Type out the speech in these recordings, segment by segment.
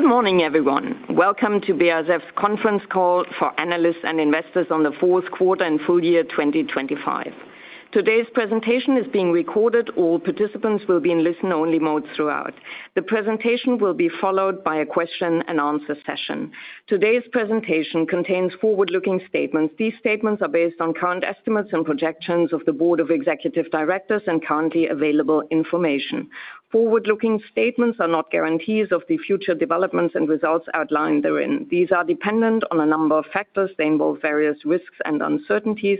Good morning, everyone. Welcome to BASF's Conference Call for Analysts and Investors on the Fourth Quarter and Full Year 2025. Today's presentation is being recorded. All participants will be in listen-only mode throughout. The presentation will be followed by a question-and-answer session. Today's presentation contains forward-looking statements. These statements are based on current estimates and projections of the Board of Executive Directors and currently available information. Forward-looking statements are not guarantees of the future developments and results outlined therein. These are dependent on a number of factors. They involve various risks and uncertainties.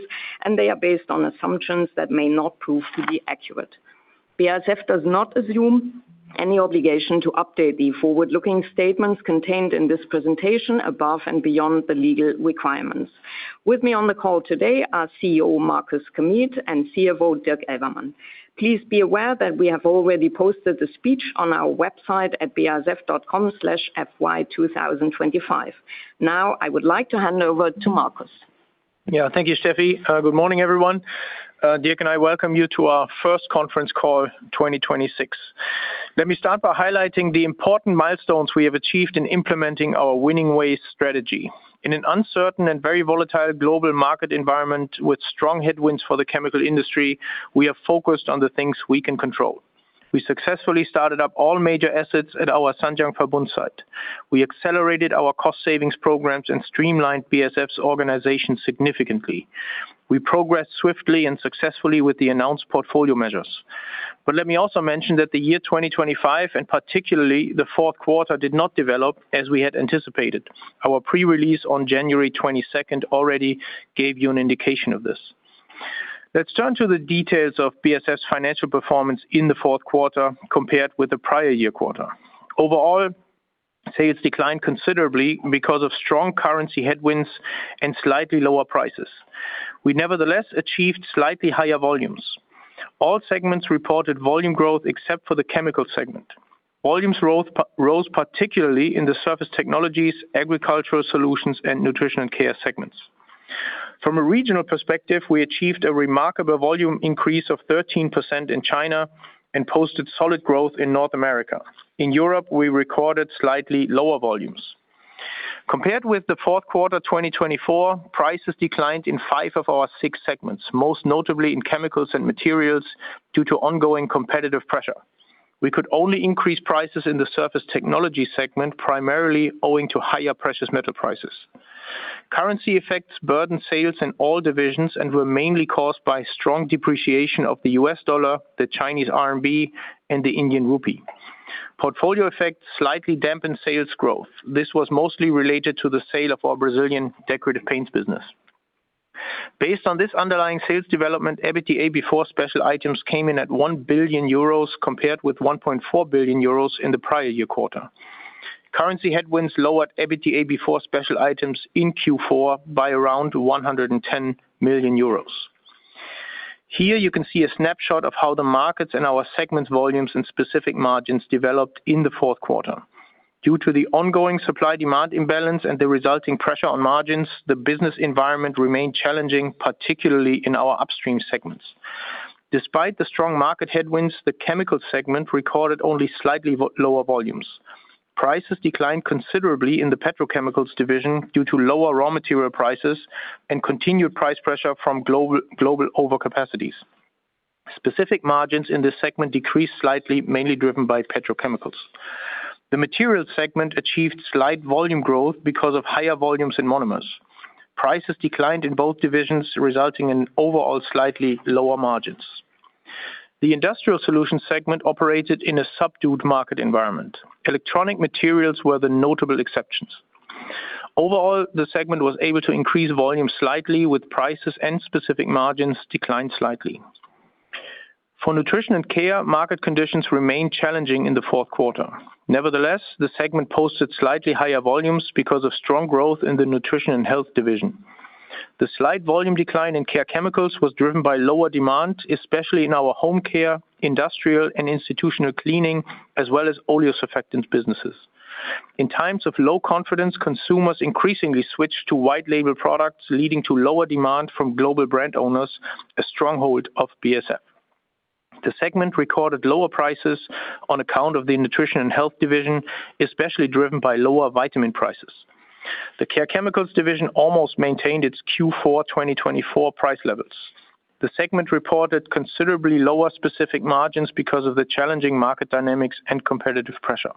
They are based on assumptions that may not prove to be accurate. BASF does not assume any obligation to update the forward-looking statements contained in this presentation above and beyond the legal requirements. With me on the call Chief Executive Officer, Markus Kamieth, and Chief Financial Officer, Dirk Elvermann. Please be aware that we have already posted the speech on our website at basf.com/fy2025. I would like to hand over to Markus. Yeah, thank you, Steffi. Good morning, everyone. Dirk and I welcome you to our first conference call, 2026. Let me start by highlighting the important milestones we have achieved in implementing our Winning Ways strategy. In an uncertain and very volatile global market environment with strong headwinds for the chemical industry, we are focused on the things we can control. We successfully started up all major assets at our Zhanjiang Verbund site. We accelerated our cost savings programs and streamlined BASF's organization significantly. We progressed swiftly and successfully with the announced portfolio measures. Let me also mention that the year 2025, and particularly the fourth quarter, did not develop as we had anticipated. Our pre-release on January 22nd already gave you an indication of this. Let's turn to the details of BASF's financial performance in the fourth quarter compared with the prior year quarter. Overall, sales declined considerably because of strong currency headwinds and slightly lower prices. We nevertheless achieved slightly higher volumes. All segments reported volume growth except for the chemical segment. Volumes rose particularly in the Surface Technologies, Agricultural Solutions, and Nutrition & Health segments. From a regional perspective, we achieved a remarkable volume increase of 13% in China and posted solid growth in North America. In Europe, we recorded slightly lower volumes. Compared with the fourth quarter, 2024, prices declined in five of our six segments, most notably in chemicals and materials, due to ongoing competitive pressure. We could only increase prices in the Surface Technology segment, primarily owing to higher precious metal prices. Currency effects burdened sales in all divisions and were mainly caused by strong depreciation of the U.S. dollar, the Chinese RMB, and the Indian rupee. Portfolio effects slightly dampened sales growth. This was mostly related to the sale of our Brazilian decorative paints business. Based on this underlying sales development, EBITDA before special items came in at 1 billion euros, compared with 1.4 billion euros in the prior year quarter. Currency headwinds lowered EBITDA before special items in Q4 by around 110 million euros. Here you can see a snapshot of how the markets and our segments, volumes, and specific margins developed in the fourth quarter. Due to the ongoing supply-demand imbalance and the resulting pressure on margins, the business environment remained challenging, particularly in our upstream segments. Despite the strong market headwinds, the chemical segment recorded only slightly lower volumes. Prices declined considerably in the petrochemicals division due to lower raw material prices and continued price pressure from global overcapacities. Specific margins in this segment decreased slightly, mainly driven by petrochemicals. The materials segment achieved slight volume growth because of higher volumes in monomers. Prices declined in both divisions, resulting in overall slightly lower margins. The industrial solutions segment operated in a subdued market environment. Electronic materials were the notable exceptions. Overall, the segment was able to increase volume slightly, with prices and specific margins declined slightly. For Nutrition and Care, market conditions remained challenging in the fourth quarter. Nevertheless, the segment posted slightly higher volumes because of strong growth in the Nutrition & Health division. The slight volume decline in Care Chemicals was driven by lower demand, especially in our home care, industrial, and institutional cleaning, as well as Ole Surfactant businesses. In times of low confidence, consumers increasingly switch to white label products, leading to lower demand from global brand owners, a stronghold of BASF. The segment recorded lower prices on account of the Nutrition & Health division, especially driven by lower vitamin prices. The Care Chemicals division almost maintained its Q4 2024 price levels. The segment reported considerably lower specific margins because of the challenging market dynamics and competitive pressure.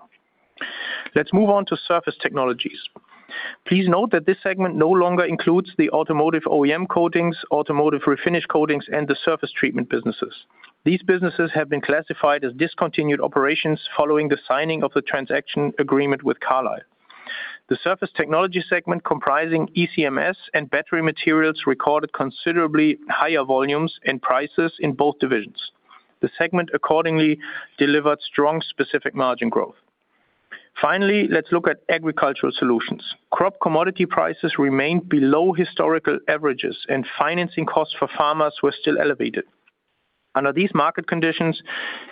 Let's move on to surface technologies. Please note that this segment no longer includes the automotive OEM coatings, automotive refinish coatings, and the surface treatment businesses. These businesses have been classified as discontinued operations following the signing of the transaction agreement with Carlyle. The Surface Technology segment, comprising ECMS and battery materials, recorded considerably higher volumes and prices in both divisions. The segment accordingly delivered strong specific margin growth. Finally, let's look at Agricultural Solutions. Crop commodity prices remained below historical averages, and financing costs for farmers were still elevated. Under these market conditions,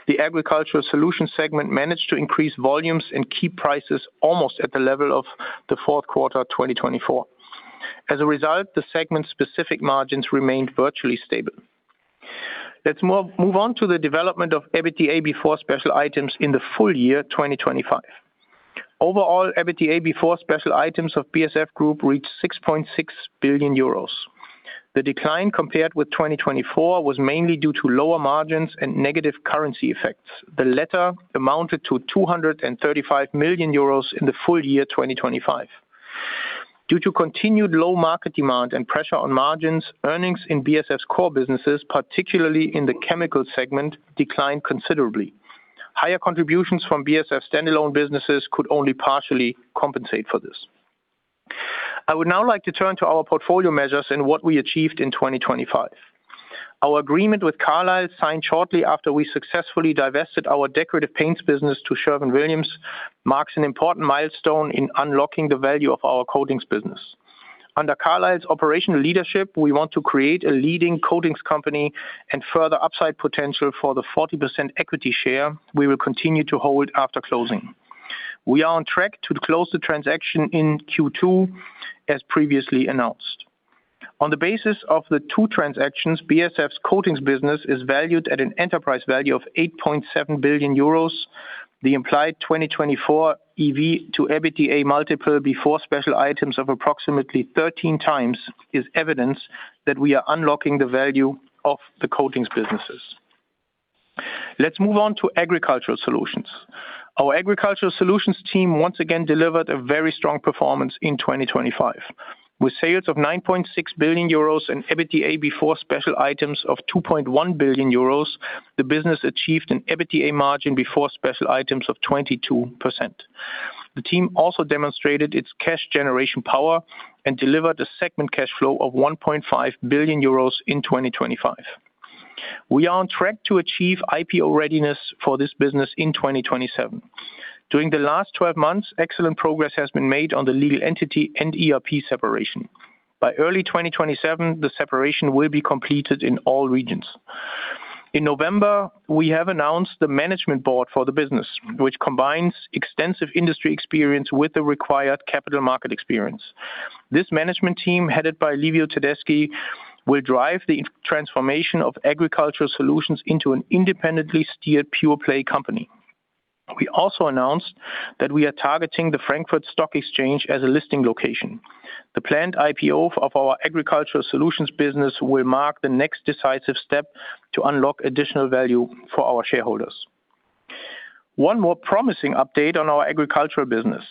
the Agricultural Solutions segment managed to increase volumes and keep prices almost at the level of the fourth quarter 2024. A result, the segment's specific margins remained virtually stable. Let's move on to the development of EBITDA before special items in the full year 2025. Overall, EBITDA before special items of BASF Group reached 6.6 billion euros. The decline compared with 2024 was mainly due to lower margins and negative currency effects. The latter amounted to 235 million euros in the full year 2025. Due to continued low market demand and pressure on margins, earnings in BASF's core businesses, particularly in the chemical segment, declined considerably. Higher contributions from BASF standalone businesses could only partially compensate for this. I would now like to turn to our portfolio measures and what we achieved in 2025. Our agreement with Carlyle, signed shortly after we successfully divested our decorative paints business to Sherwin-Williams, marks an important milestone in unlocking the value of our coatings business. Under Carlyle's operational leadership, we want to create a leading coatings company and further upside potential for the 40% equity share we will continue to hold after closing. We are on track to close the transaction in Q2, as previously announced. On the basis of the two transactions, BASF's coatings business is valued at an enterprise value of 8.7 billion euros. The implied 2024 EV to EBITDA multiple before special items of approximately 13x is evidence that we are unlocking the value of the coatings businesses. Let's move on to Agricultural Solutions. Our Agricultural Solutions team once again delivered a very strong performance in 2025. With sales of 9.6 billion euros and EBITDA before special items of 2.1 billion euros, the business achieved an EBITDA margin before special items of 22%. The team also demonstrated its cash generation power and delivered a segment cash flow of 1.5 billion euros in 2025. We are on track to achieve IPO readiness for this business in 2027. During the last 12 months, excellent progress has been made on the legal entity and ERP separation. By early 2027, the separation will be completed in all regions. In November, we have announced the management board for the business, which combines extensive industry experience with the required capital market experience. This management team, headed by Livio Tedeschi, will drive the transformation of Agricultural Solutions into an independently steered pure-play company. We also announced that we are targeting the Frankfurt Stock Exchange as a listing location. The planned IPO of our Agricultural Solutions business will mark the next decisive step to unlock additional value for our shareholders. One more promising update on our agricultural business.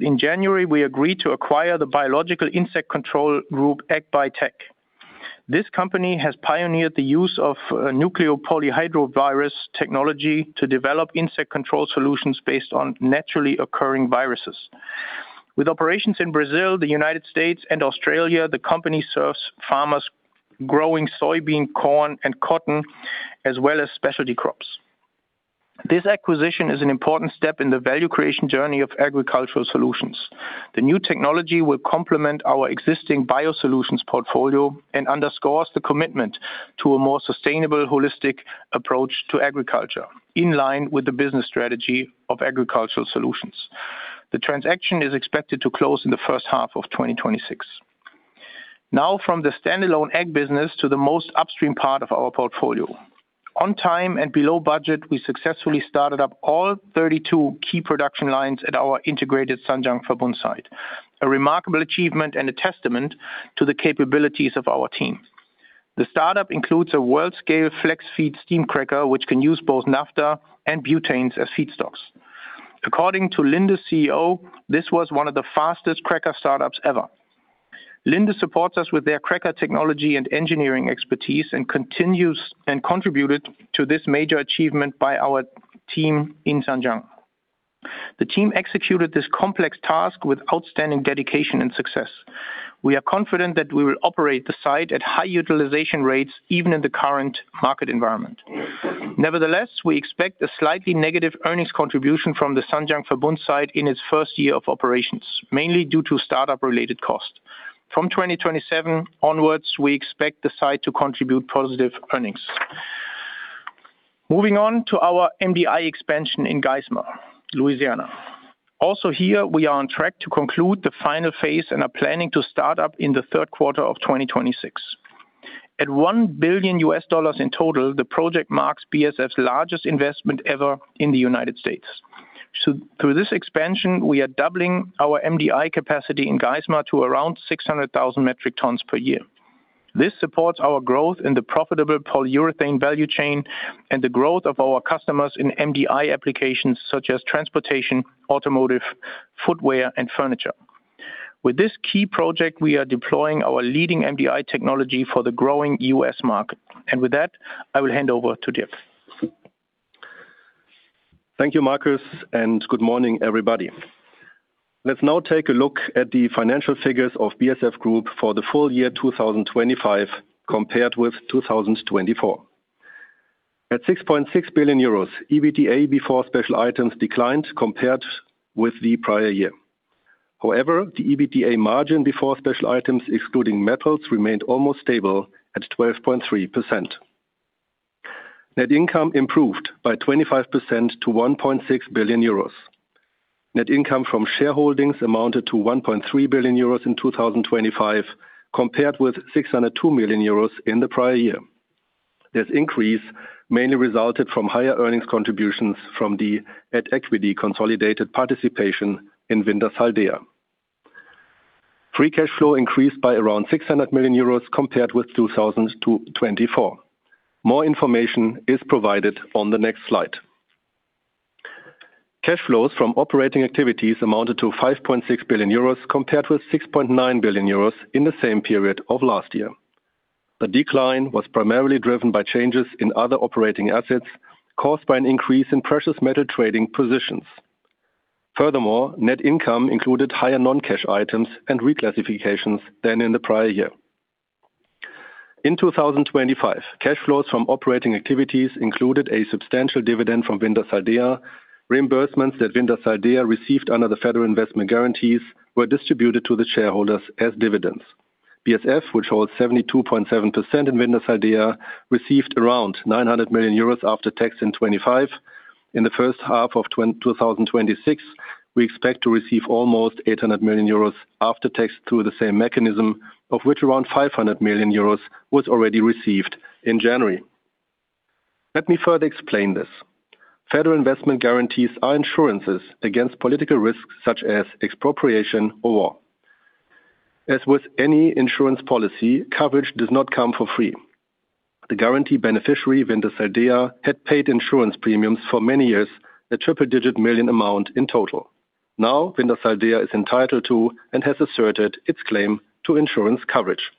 In January, we agreed to acquire the biological insect control group, AgBiTech. This company has pioneered the use of Nuclear Polyhedrosis Virus technology to develop insect control solutions based on naturally occurring viruses. With operations in Brazil, the United States, and Australia, the company serves farmers growing soybean, corn, and cotton, as well as specialty crops. This acquisition is an important step in the value creation journey of Agricultural Solutions. The new technology will complement our existing BioSolutions portfolio and underscores the commitment to a more sustainable, holistic approach to agriculture, in line with the business strategy of Agricultural Solutions. The transaction is expected to close in the first half of 2026. From the standalone ag business to the most upstream part of our portfolio. On time and below budget, we successfully started up all 32 key production lines at our integrated Zhanjiang Verbund site, a remarkable achievement and a testament to the capabilities of our team. The startup includes a world-scale flex-feed steam cracker, which can use both naphtha and butanes as feedstocks. According CEO, this was one of the fastest cracker startups ever. Linde supports us with their cracker technology and engineering expertise and contributed to this major achievement by our team in Zhanjiang. The team executed this complex task with outstanding dedication and success. We are confident that we will operate the site at high utilization rates, even in the current market environment. Nevertheless, we expect a slightly negative earnings contribution from the Zhanjiang Verbund site in its first year of operations, mainly due to startup-related costs. From 2027 onwards, we expect the site to contribute positive earnings. Moving on to our MDI expansion in Geismar, Louisiana. Also here, we are on track to conclude the final phase and are planning to start up in the third quarter of 2026. At $1 billion in total, the project marks BASF's largest investment ever in the United States. Through this expansion, we are doubling our MDI capacity in Geismar to around 600,000 metric tons per year. This supports our growth in the profitable polyurethane value chain and the growth of our customers in MDI applications such as transportation, automotive, footwear, and furniture. With this key project, we are deploying our leading MDI technology for the growing U.S. market. With that, I will hand over to Dirk. Thank you, Markus. Good morning, everybody. Let's now take a look at the financial figures of BASF Group for the full year 2025 compared with 2024. At 6.6 billion euros, EBITDA before special items declined compared with the prior year. However, the EBITDA margin before special items, excluding metals, remained almost stable at 12.3%. Net income improved by 25% to 1.6 billion euros.... Net income from shareholdings amounted to 1.3 billion euros in 2025, compared with 602 million euros in the prior year. This increase mainly resulted from higher earnings contributions from the at equity consolidated participation in Wintershall Dea. Free cash flow increased by around 600 million euros compared with 2024. More information is provided on the next slide. Cash flows from operating activities amounted to 5.6 billion euros, compared with 6.9 billion euros in the same period of last year. The decline was primarily driven by changes in other operating assets, caused by an increase in precious metal trading positions. Furthermore, net income included higher non-cash items and reclassifications than in the prior year. In 2025, cash flows from operating activities included a substantial dividend from Wintershall Dea. Reimbursements that Wintershall Dea received under the federal investment guarantees were distributed to the shareholders as dividends. BASF, which holds 72.7% in Wintershall Dea, received around 900 million euros after tax in 2025. In the first half of 2026, we expect to receive almost 800 million euros after tax through the same mechanism, of which around 500 million euros was already received in January. Let me further explain this. Federal investment guarantees are insurances against political risks, such as expropriation or war. As with any insurance policy, coverage does not come for free. The guarantee beneficiary, Wintershall Dea, had paid insurance premiums for many years, a triple-digit million amount in total. Now, Wintershall Dea is entitled to, and has asserted its claim to insurance coverage.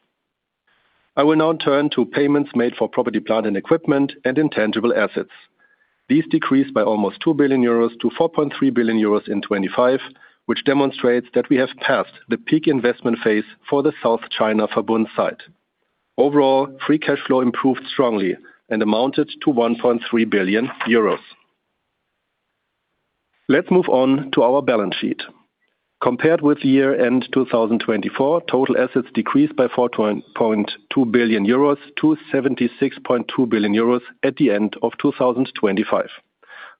I will now turn to payments made for property, plant, and equipment and intangible assets. These decreased by almost 2 billion euros to 4.3 billion euros in 2025, which demonstrates that we have passed the peak investment phase for the South China Verbund site. Overall, free cash flow improved strongly and amounted to 1.3 billion euros. Let's move on to our balance sheet. Compared with year-end 2024, total assets decreased by 4.2 billion-76.2 billion euros at the end of 2025.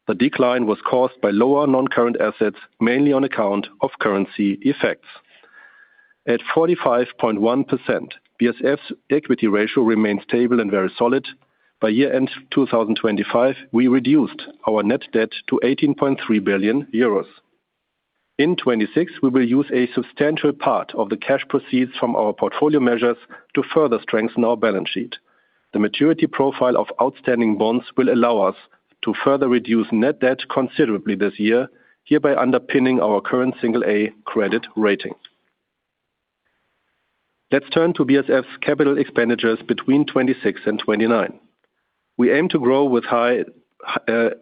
The decline was caused by lower non-current assets, mainly on account of currency effects. At 45.1%, BASF's equity ratio remains stable and very solid. By year-end 2025, we reduced our net debt to 18.3 billion euros. In 2026, we will use a substantial part of the cash proceeds from our portfolio measures to further strengthen our balance sheet. The maturity profile of outstanding bonds will allow us to further reduce net debt considerably this year, hereby underpinning our current single A credit rating. Let's turn to BASF's capital expenditures between 2026 and 2029. We aim to grow with high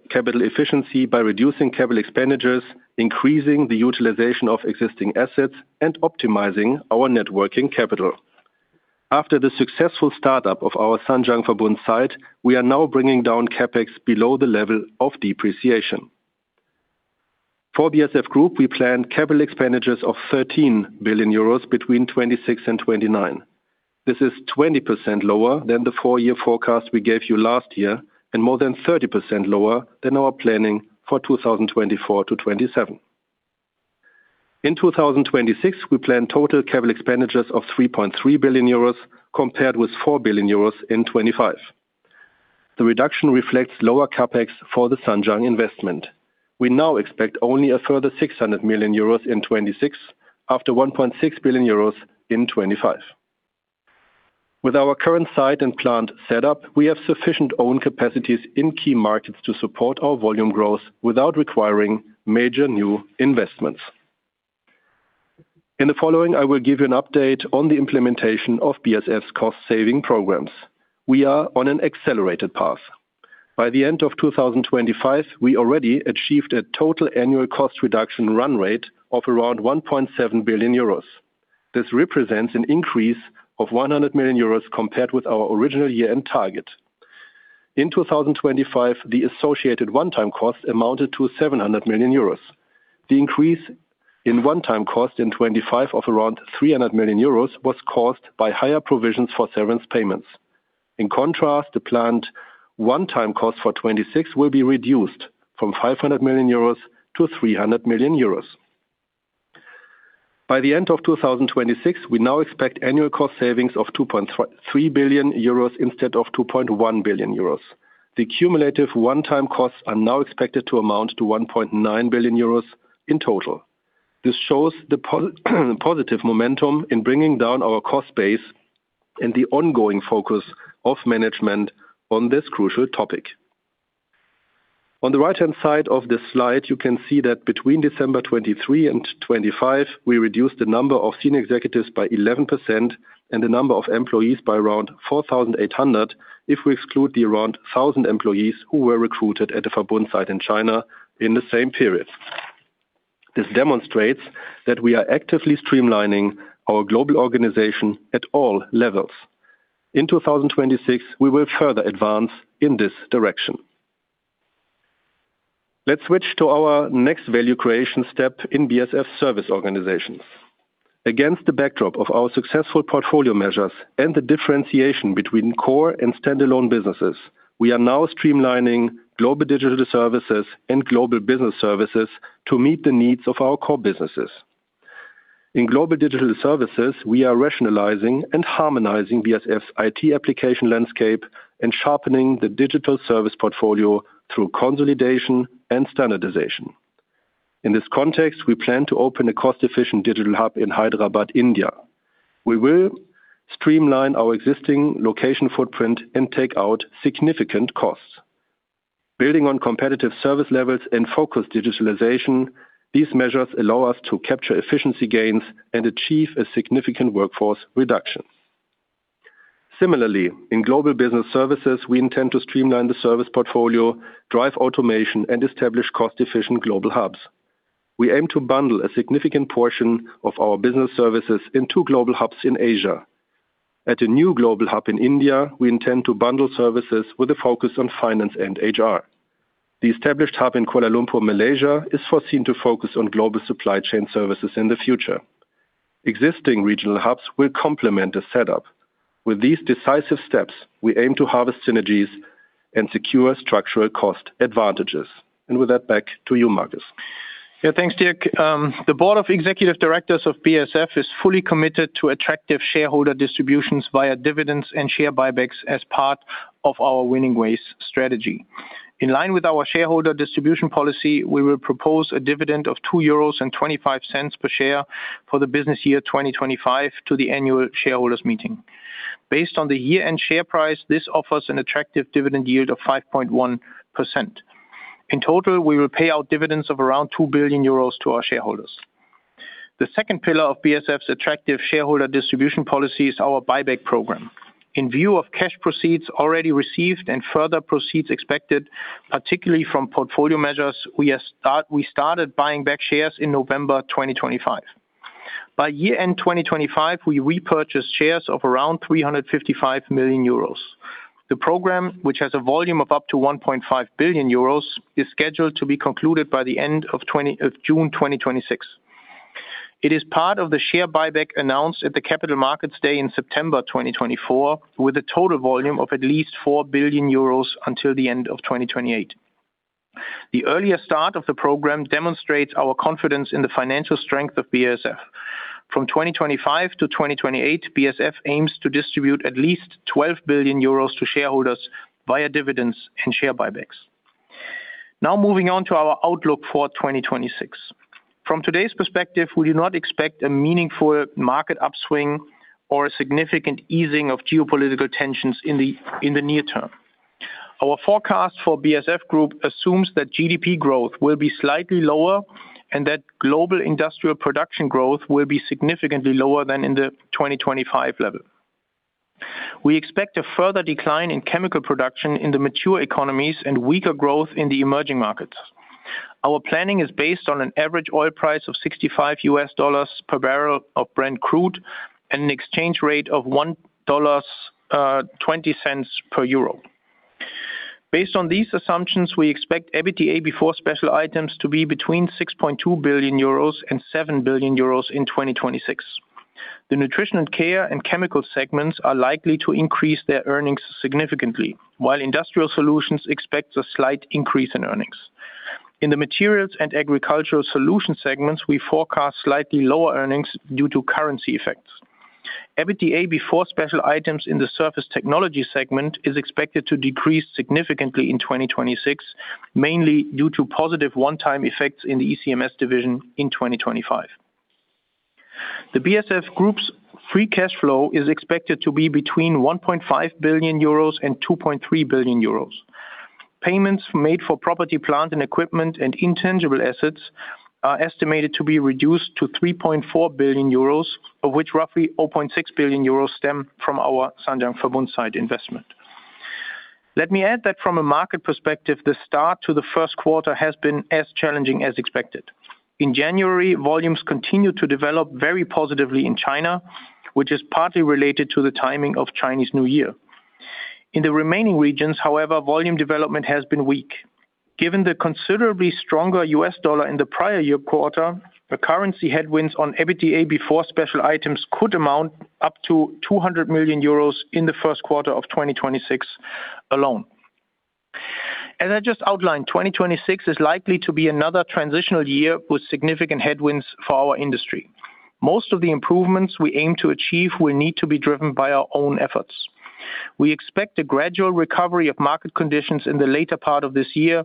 capital efficiency by reducing capital expenditures, increasing the utilization of existing assets, and optimizing our networking capital. After the successful startup of our Zhanjiang Verbund site, we are now bringing down CapEx below the level of depreciation. For BASF Group, we planned capital expenditures of 13 billion euros between 2026 and 2029. This is 20% lower than the four-year forecast we gave you last year, and more than 30% lower than our planning for 2024 to 2027. In 2026, we planned total capital expenditures of 3.3 billion euros, compared with 4 billion euros in 2025. The reduction reflects lower CapEx for the Zhanjiang investment. We now expect only a further 600 million euros in 2026, after 1.6 billion euros in 2025. With our current site and plant setup, we have sufficient own capacities in key markets to support our volume growth without requiring major new investments. In the following, I will give you an update on the implementation of BASF's cost-saving programs. We are on an accelerated path. By the end of 2025, we already achieved a total annual cost reduction run rate of around 1.7 billion euros. This represents an increase of 100 million euros compared with our original year-end target. In 2025, the associated one-time cost amounted to 700 million euros. The increase in one-time cost in 2025 of around 300 million euros was caused by higher provisions for severance payments. In contrast, the planned one-time cost for 2026 will be reduced from 500 million euros to 300 million euros. By the end of 2026, we now expect annual cost savings of 2.3 billion euros instead of 2.1 billion euros. The cumulative one-time costs are now expected to amount to 1.9 billion euros in total. This shows the positive momentum in bringing down our cost base and the ongoing focus of management on this crucial topic. On the right-hand side of this slide, you can see that between December 2023 and 2025, we reduced the number of senior executives by 11% and the number of employees by around 4,800, if we exclude the around 1,000 employees who were recruited at the Verbund site in China in the same period. This demonstrates that we are actively streamlining our global organization at all levels. In 2026, we will further advance in this direction. Let's switch to our next value creation step in BASF's service organizations. Against the backdrop of our successful portfolio measures and the differentiation between core and standalone businesses, we are now streamlining Global Digital Services and Global Business Services to meet the needs of our core businesses. In Global Digital Services, we are rationalizing and harmonizing BASF's IT application landscape and sharpening the digital service portfolio through consolidation and standardization. In this context, we plan to open a cost-efficient digital hub in Hyderabad, India. We will streamline our existing location footprint and take out significant costs. Building on competitive service levels and focused digitalization, these measures allow us to capture efficiency gains and achieve a significant workforce reduction. Similarly, in Global Business Services, we intend to streamline the service portfolio, drive automation, and establish cost-efficient global hubs. We aim to bundle a significant portion of our business services in two global hubs in Asia. At a new global hub in India, we intend to bundle services with a focus on finance and HR. The established hub in Kuala Lumpur, Malaysia, is foreseen to focus on global supply chain services in the future. Existing regional hubs will complement the setup. With these decisive steps, we aim to harvest synergies and secure structural cost advantages. With that, back to you, Markus. Yeah, thanks, Dirk. The Board of Executive Directors of BASF is fully committed to attractive shareholder distributions via dividends and share buybacks as part of our Winning Ways strategy. In line with our shareholder distribution policy, we will propose a dividend of 2.25 euros per share for the business year 2025 to the annual shareholders meeting. Based on the year-end share price, this offers an attractive dividend yield of 5.1%. In total, we will pay out dividends of around 2 billion euros to our shareholders. The second pillar of BASF's attractive shareholder distribution policy is our buyback program. In view of cash proceeds already received and further proceeds expected, particularly from portfolio measures, we started buying back shares in November 2025. By year-end 2025, we repurchased shares of around 355 million euros. The program, which has a volume of up to 1.5 billion euros, is scheduled to be concluded by the end of June 2026. It is part of the share buyback announced at the Capital Markets Day in September 2024, with a total volume of at least 4 billion euros until the end of 2028. The earlier start of the program demonstrates our confidence in the financial strength of BASF. From 2025 to 2028, BASF aims to distribute at least 12 billion euros to shareholders via dividends and share buybacks. Moving on to our outlook for 2026. From today's perspective, we do not expect a meaningful market upswing or a significant easing of geopolitical tensions in the near term. Our forecast for BASF Group assumes that GDP growth will be slightly lower and that global industrial production growth will be significantly lower than in the 2025 level. We expect a further decline in chemical production in the mature economies and weaker growth in the emerging markets. Our planning is based on an average oil price of $65 per barrel of Brent crude and an exchange rate of $1.20 per EUR. Based on these assumptions, we expect EBITDA before special items to be between 6.2 billion euros and 7 billion euros in 2026. The nutrition and care and chemical segments are likely to increase their earnings significantly, while Industrial Solutions expects a slight increase in earnings. In the materials and Agricultural Solutions segments, we forecast slightly lower earnings due to currency effects. EBITDA before special items in the surface technology segment is expected to decrease significantly in 2026, mainly due to positive one-time effects in the ECMS division in 2025. The BASF Group's free cash flow is expected to be between 1.5 billion euros and 2.3 billion euros. Payments made for property, plant, and equipment and intangible assets are estimated to be reduced to 3.4 billion euros, of which roughly 0.6 billion euros stem from our Zhanjiang Verbund site investment. Let me add that from a market perspective, the start to the first quarter has been as challenging as expected. In January, volumes continued to develop very positively in China, which is partly related to the timing of Chinese New Year. In the remaining regions, however, volume development has been weak. Given the considerably stronger U.S. dollar in the prior year quarter, the currency headwinds on EBITDA before special items could amount up to 200 million euros in the first quarter of 2026 alone. As I just outlined, 2026 is likely to be another transitional year with significant headwinds for our industry. Most of the improvements we aim to achieve will need to be driven by our own efforts. We expect a gradual recovery of market conditions in the later part of this year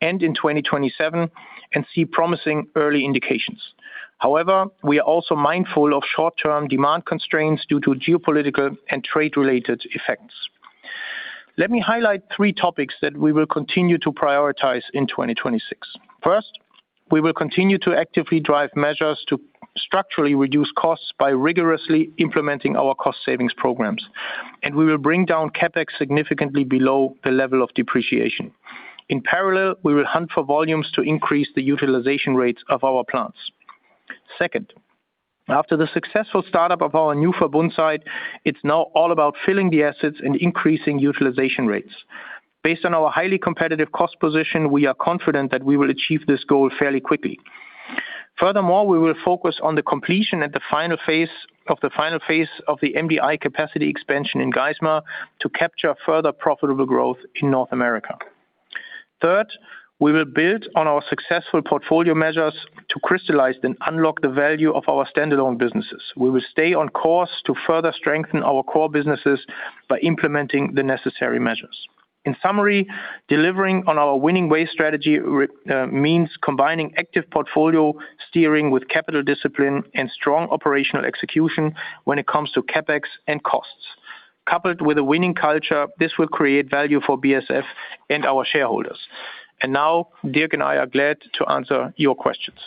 and in 2027 and see promising early indications. We are also mindful of short-term demand constraints due to geopolitical and trade-related effects. Let me highlight three topics that we will continue to prioritize in 2026. First, we will continue to actively drive measures to structurally reduce costs by rigorously implementing our cost savings programs. We will bring down CapEx significantly below the level of depreciation. In parallel, we will hunt for volumes to increase the utilization rates of our plants. Second, after the successful startup of our new Verbundsite, it's now all about filling the assets and increasing utilization rates. Based on our highly competitive cost position, we are confident that we will achieve this goal fairly quickly. Furthermore, we will focus on the completion of the final phase of the MDI capacity expansion in Geismar to capture further profitable growth in North America. Third, we will build on our successful portfolio measures to crystallize and unlock the value of our standalone businesses. We will stay on course to further strengthen our core businesses by implementing the necessary measures. In summary, delivering on our Winning way strategy means combining active portfolio steering with capital discipline and strong operational execution when it comes to CapEx and costs. Coupled with a winning culture, this will create value for BASF and our shareholders. Now, Dirk and I are glad to answer your questions.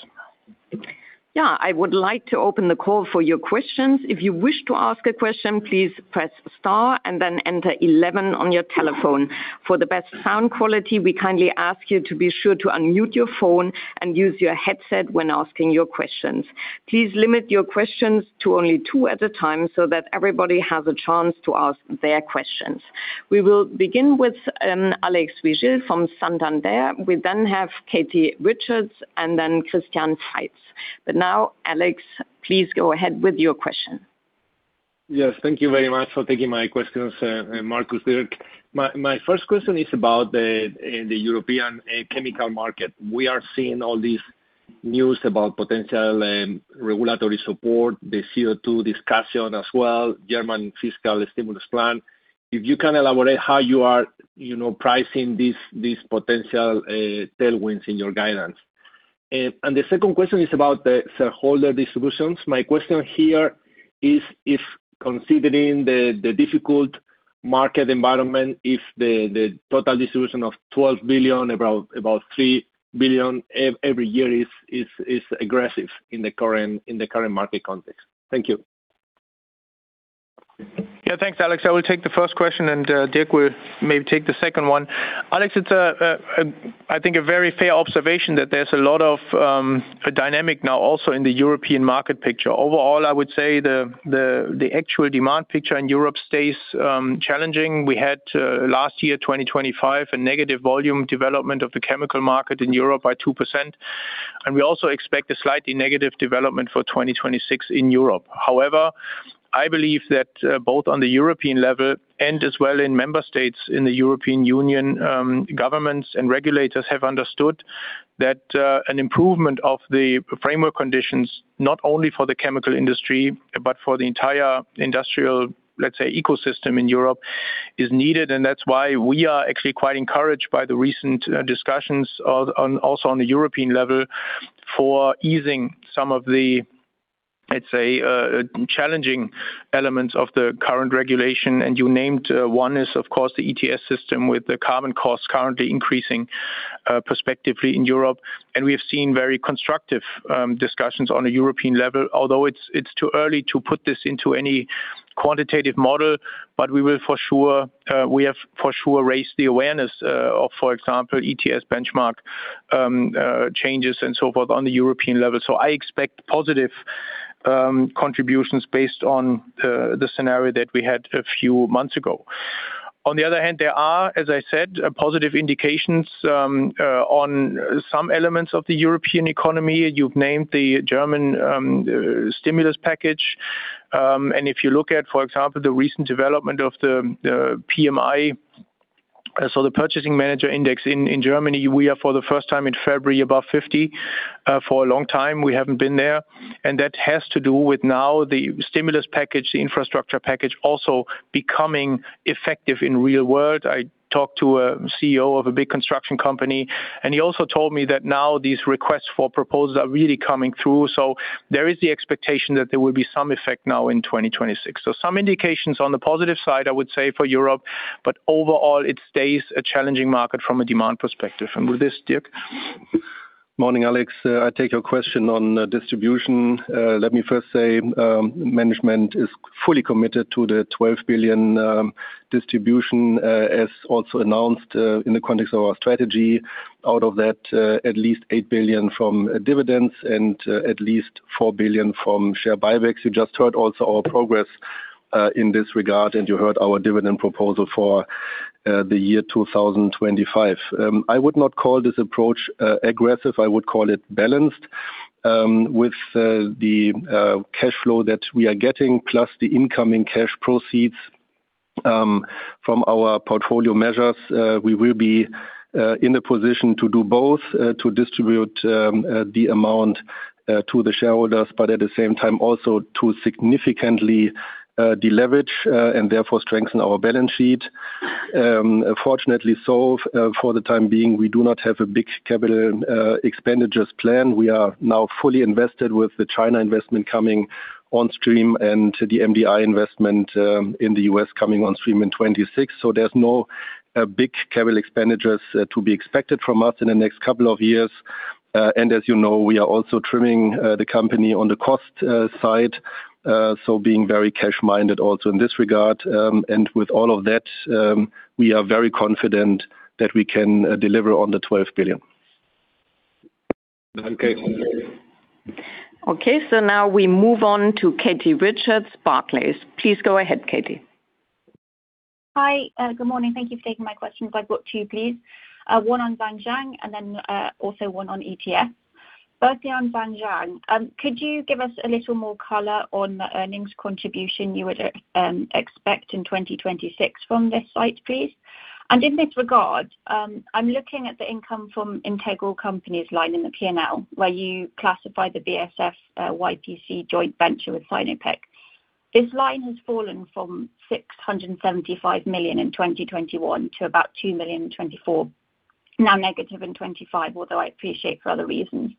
Yeah, I would like to open the call for your questions. If you wish to ask a question, please press star and then enter 11 on your telephone. For the best sound quality, we kindly ask you to be sure to unmute your phone and use your headset when asking your questions. Please limit your questions to only two at a time so that everybody has a chance to ask their questions. We will begin with Alex Vigil from Santander. We then have Katie Richards and then Christian Faitz. Now, Alex, please go ahead with your question. Yes, thank you very much for taking my questions, Markus, Dirk. My first question is about the European chemical market. We are seeing all this news about potential regulatory support, the CO2 discussion as well, German fiscal stimulus plan. If you can elaborate how you are, you know, pricing these potential tailwinds in your guidance. The second question is about the shareholder distributions. My question here is, if considering the difficult market environment, if the total distribution of 12 billion, about 3 billion every year is aggressive in the current market context. Thank you. Yeah, thanks, Alex. I will take the first question. Dirk will maybe take the second one. Alex, it's I think, a very fair observation that there's a lot of a dynamic now also in the European market picture. Overall, I would say the actual demand picture in Europe stays challenging. We had last year, 2025, a negative volume development of the chemical market in Europe by 2%, and we also expect a slightly negative development for 2026 in Europe. I believe that both on the European level and as well in member states in the European Union, governments and regulators have understood that an improvement of the framework conditions, not only for the chemical industry, but for the entire industrial, let's say, ecosystem in Europe, is needed. That's why we are actually quite encouraged by the recent discussions on, also on the European level, for easing some of the, let's say, challenging elements of the current regulation. You named one is, of course, the ETS system, with the carbon costs currently increasing perspectively in Europe. We have seen very constructive discussions on a European level, although it's too early to put this into any quantitative model, but we have for sure raised the awareness of, for example, ETS benchmark changes and so forth on the European level. I expect positive contributions based on the scenario that we had a few months ago. On the other hand, there are, as I said, positive indications on some elements of the European economy. You've named the German stimulus package. If you look at, for example, the recent development of the PMI, so the Purchasing Managers' Index in Germany, we are, for the first time in February, above 50. For a long time, we haven't been there, that has to do with now the stimulus package, the infrastructure package, also becoming effective in real world. I talked to Chief Executive Officer of a big construction company, he also told me that now these requests for proposals are really coming through. There is the expectation that there will be some effect now in 2026. Some indications on the positive side, I would say, for Europe, overall it stays a challenging market from a demand perspective. With this, Dirk? Morning, Alex. I take your question on distribution. Let me first say, management is fully committed to the 12 billion distribution as also announced in the context of our strategy. Out of that, at least 8 billion from dividends and at least 4 billion from share buybacks. You just heard also our progress in this regard, and you heard our dividend proposal for the year 2025. I would not call this approach aggressive, I would call it balanced. With the cash flow that we are getting, plus the incoming cash proceeds from our portfolio measures, we will be in a position to do both, to distribute the amount to the shareholders, but at the same time, also to significantly deleverage and therefore strengthen our balance sheet. Fortunately, for the time being, we do not have a big Capital Expenditures plan. We are now fully invested with the China investment coming on stream and the MDI investment in the U.S. coming on stream in 2026. There's no big Capital Expenditures to be expected from us in the next couple of years. As you know, we are also trimming the company on the cost side, being very cash minded also in this regard. With all of that, we are very confident that we can deliver on the 12 billion. Okay, now we move on to Katie Richards, Barclays. Please go ahead, Katie. Hi, good morning. Thank you for taking my questions. I've got two, please. One on Zhanjiang, and then, also one on ETF. Both on Zhanjiang. Could you give us a little more color on the earnings contribution you would expect in 2026 from this site, please? In this regard, I'm looking at the income from integral companies line in the P&L, where you classify the BASF YPC joint venture with Sinopec. This line has fallen from 675 million in 2021 to about 2 million in 2024, now negative in 2025, although I appreciate for other reasons.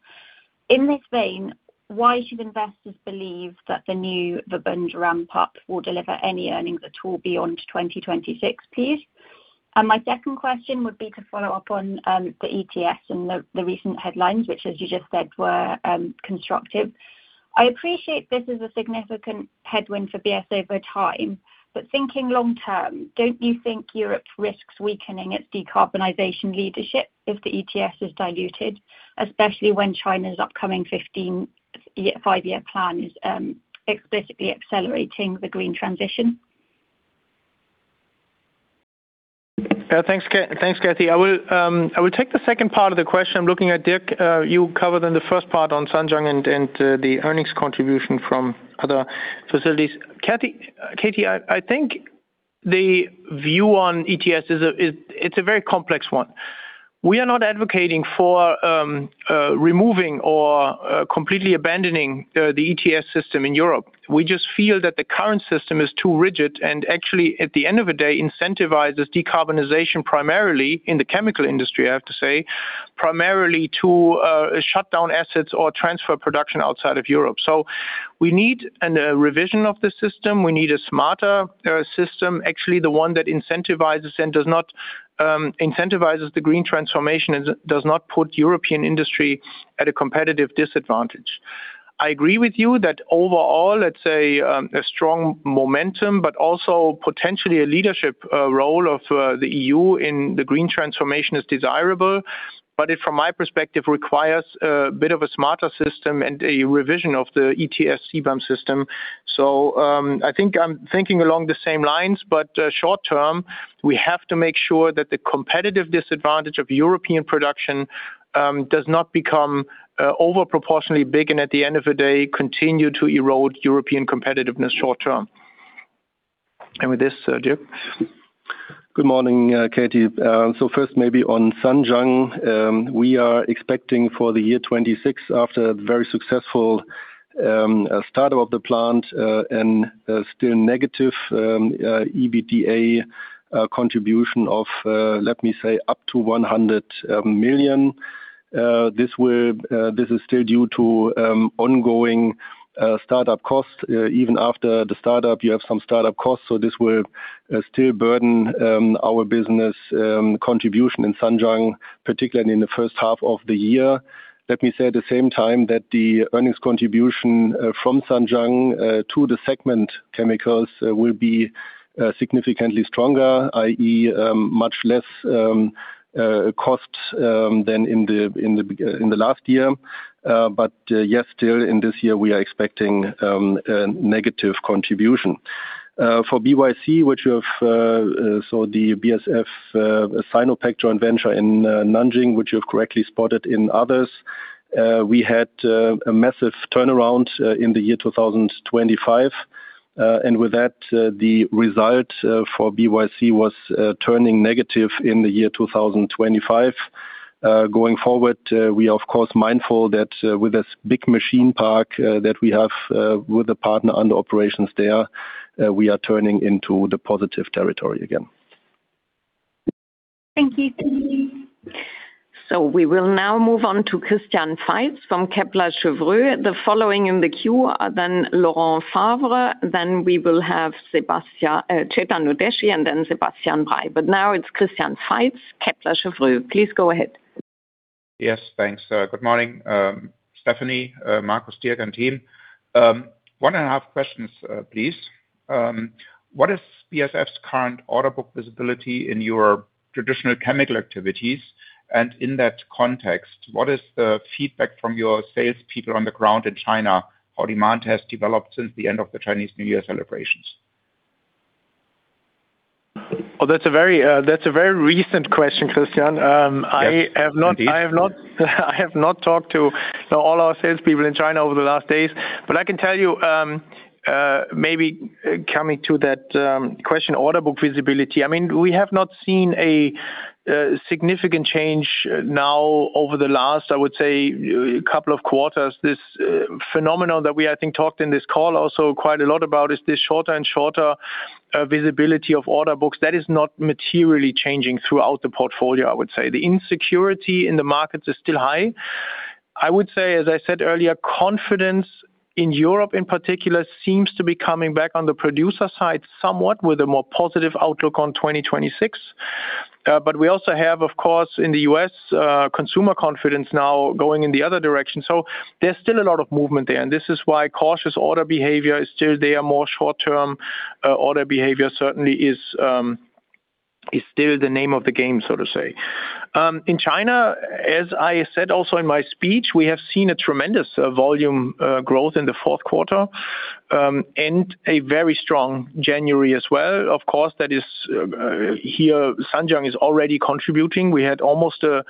In this vein, why should investors believe that the new Verbund ramp-up will deliver any earnings at all beyond 2026, please? My second question would be to follow up on the ETS and the recent headlines, which, as you just said, were constructive. I appreciate this is a significant headwind for BASF over time, but thinking long term, don't you think Europe risks weakening its decarbonization leadership if the ETS is diluted, especially when China's upcoming 15-year, 5-year plan is explicitly accelerating the green transition? Thanks, Katie. I will take the second part of the question. I'm looking at Dirk, you covered in the first part on Zhanjiang and the earnings contribution from other facilities. Katie, I think the view on ETFs is a very complex one. We are not advocating for removing or completely abandoning the ETS system in Europe. We just feel that the current system is too rigid, and actually, at the end of the day, incentivizes decarbonization, primarily in the chemical industry, I have to say, primarily to shut down assets or transfer production outside of Europe. We need an revision of the system. We need a smarter system, actually, the one that incentivizes and does not incentivize the green transformation and does not put European industry at a competitive disadvantage. I agree with you that overall, a strong momentum, but also potentially a leadership role of the EU in the green transformation is desirable, but it, from my perspective, requires a bit of a smarter system and a revision of the ETS CBAM system. I think I'm thinking along the same lines, short term, we have to make sure that the competitive disadvantage of European production does not become over proportionately big, and at the end of the day, continue to erode European competitiveness short term. With this, Dirk? Good morning, Katie. First, maybe on Zhanjiang, we are expecting for the year 2026, after a very successful start-up of the plant, and still negative EBITDA contribution of, let me say, up to 100 million. This is still due to ongoing start-up costs. Even after the start-up, you have some start-up costs, this will still burden our business contribution in Zhanjiang, particularly in the first half of the year. Let me say at the same time, that the earnings contribution from Zhanjiang to the segment chemicals will be significantly stronger, i.e., much less cost than in the last year. Yes, still in this year, we are expecting a negative contribution. For BYC, which we have, so the BASF Sinopec joint venture in Nanjing, which you have correctly spotted in others. We had a massive turnaround in the year 2025. With that, the result for BYC was turning negative in the year 2025. Going forward, we are of course, mindful that with this big machine park that we have with the partner under operations there, we are turning into the positive territory again. Thank you. We will now move on to Christian Faitz from Kepler Cheuvreux. The following in the queue are then Laurent Lellouche, then we will have Sebastian, Chetan Udeshi, and then Sebastian Bray. Now it's Christian Faitz, Kepler Cheuvreux. Please go ahead. Yes, thanks. Good morning, Stephanie, Markus, Dirk, and team. One and a half questions, please. What is BASF's current order book visibility in your traditional chemical activities? In that context, what is the feedback from your salespeople on the ground in China, how demand has developed since the end of the Chinese New Year celebrations? Well, that's a very, that's a very recent question, Christian. Yes, indeed. I have not talked to all our salespeople in China over the last days. I can tell you, maybe coming to that question, order book visibility. I mean, we have not seen a significant change now over the last, I would say, couple of quarters. This phenomenon that we, I think, talked in this call also quite a lot about, is this shorter and shorter visibility of order books. That is not materially changing throughout the portfolio, I would say. The insecurity in the markets is still high. I would say, as I said earlier, confidence in Europe in particular, seems to be coming back on the producer side somewhat, with a more positive outlook on 2026. We also have, of course, in the U.S., consumer confidence now going in the other direction. There's still a lot of movement there, and this is why cautious order behavior is still there. More short-term order behavior certainly is still the name of the game, so to say. In China, as I said also in my speech, we have seen a tremendous volume growth in the fourth quarter and a very strong January as well. Of course, that is here, Zhanjiang is already contributing. We had almost a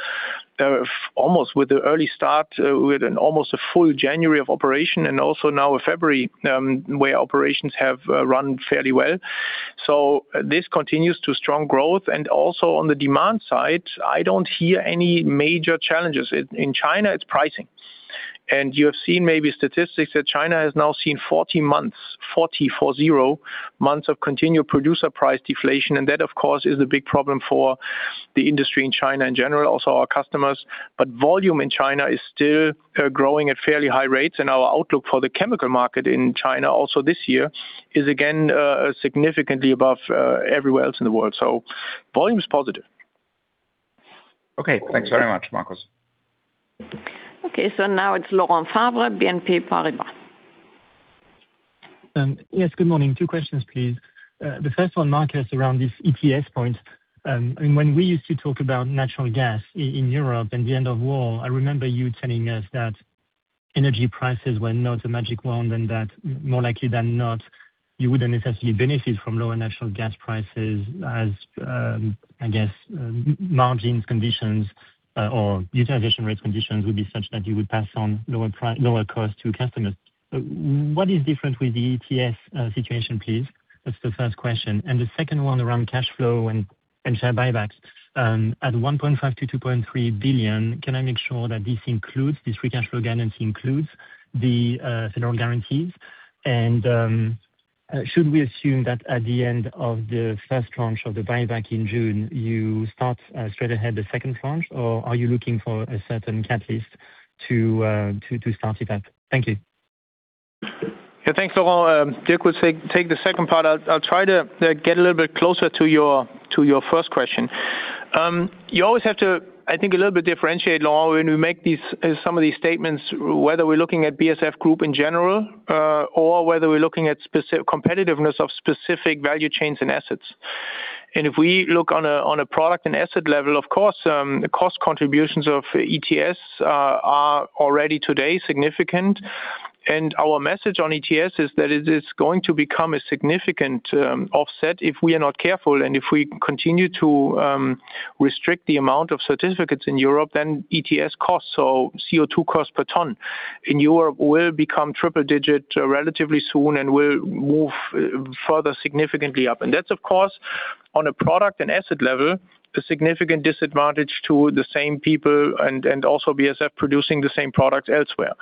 full January of operation, and also now a February, where operations have run fairly well. This continues to strong growth, and also on the demand side, I don't hear any major challenges. In China, it's pricing, and you have seen maybe statistics that China has now seen 40 months, 40, 4 zero, months of continued producer price deflation, and that, of course, is a big problem for the industry in China in general, also our customers. Volume in China is still growing at fairly high rates, and our outlook for the chemical market in China also this year is again significantly above everywhere else in the world. Volume is positive. Okay, thanks very much, Markus. Now it's Laurent Lellouche, BNP Paribas. Yes, good morning. Two questions, please. The first one, Markus, around this ETS point. When we used to talk about natural gas in Europe and the end of war, I remember you telling us that energy prices were not a magic wand, and that more likely than not, you wouldn't necessarily benefit from lower natural gas prices as, I guess, margins, conditions, or utilization rate conditions would be such that you would pass on lower cost to customers. What is different with the ETS situation, please? That's the first question. The second one around cash flow and share buybacks. At 1.5 billion-2.3 billion, can I make sure that this free cash flow guidance includes the federal guarantees? Should we assume that at the end of the first tranche of the buyback in June, you start straight ahead the second tranche, or are you looking for a certain catalyst to start it up? Thank you. Thanks, Laurent. Dirk will take the second part. I'll try to get a little bit closer to your first question. You always have to, I think, a little bit differentiate, Laurent, when we make these some of these statements, whether we're looking at BASF Group in general, or whether we're looking at competitiveness of specific value chains and assets. If we look on a product and asset level, of course, the cost contributions of ETS are already today significant. Our message on ETS is that it is going to become a significant offset if we are not careful, and if we continue to restrict the amount of certificates in Europe, then ETS costs, so CO2 costs per ton in Europe, will become triple digit relatively soon and will move further significantly up. That's, of course, on a product and asset level, a significant disadvantage to the same people and also BASF producing the same product elsewhere.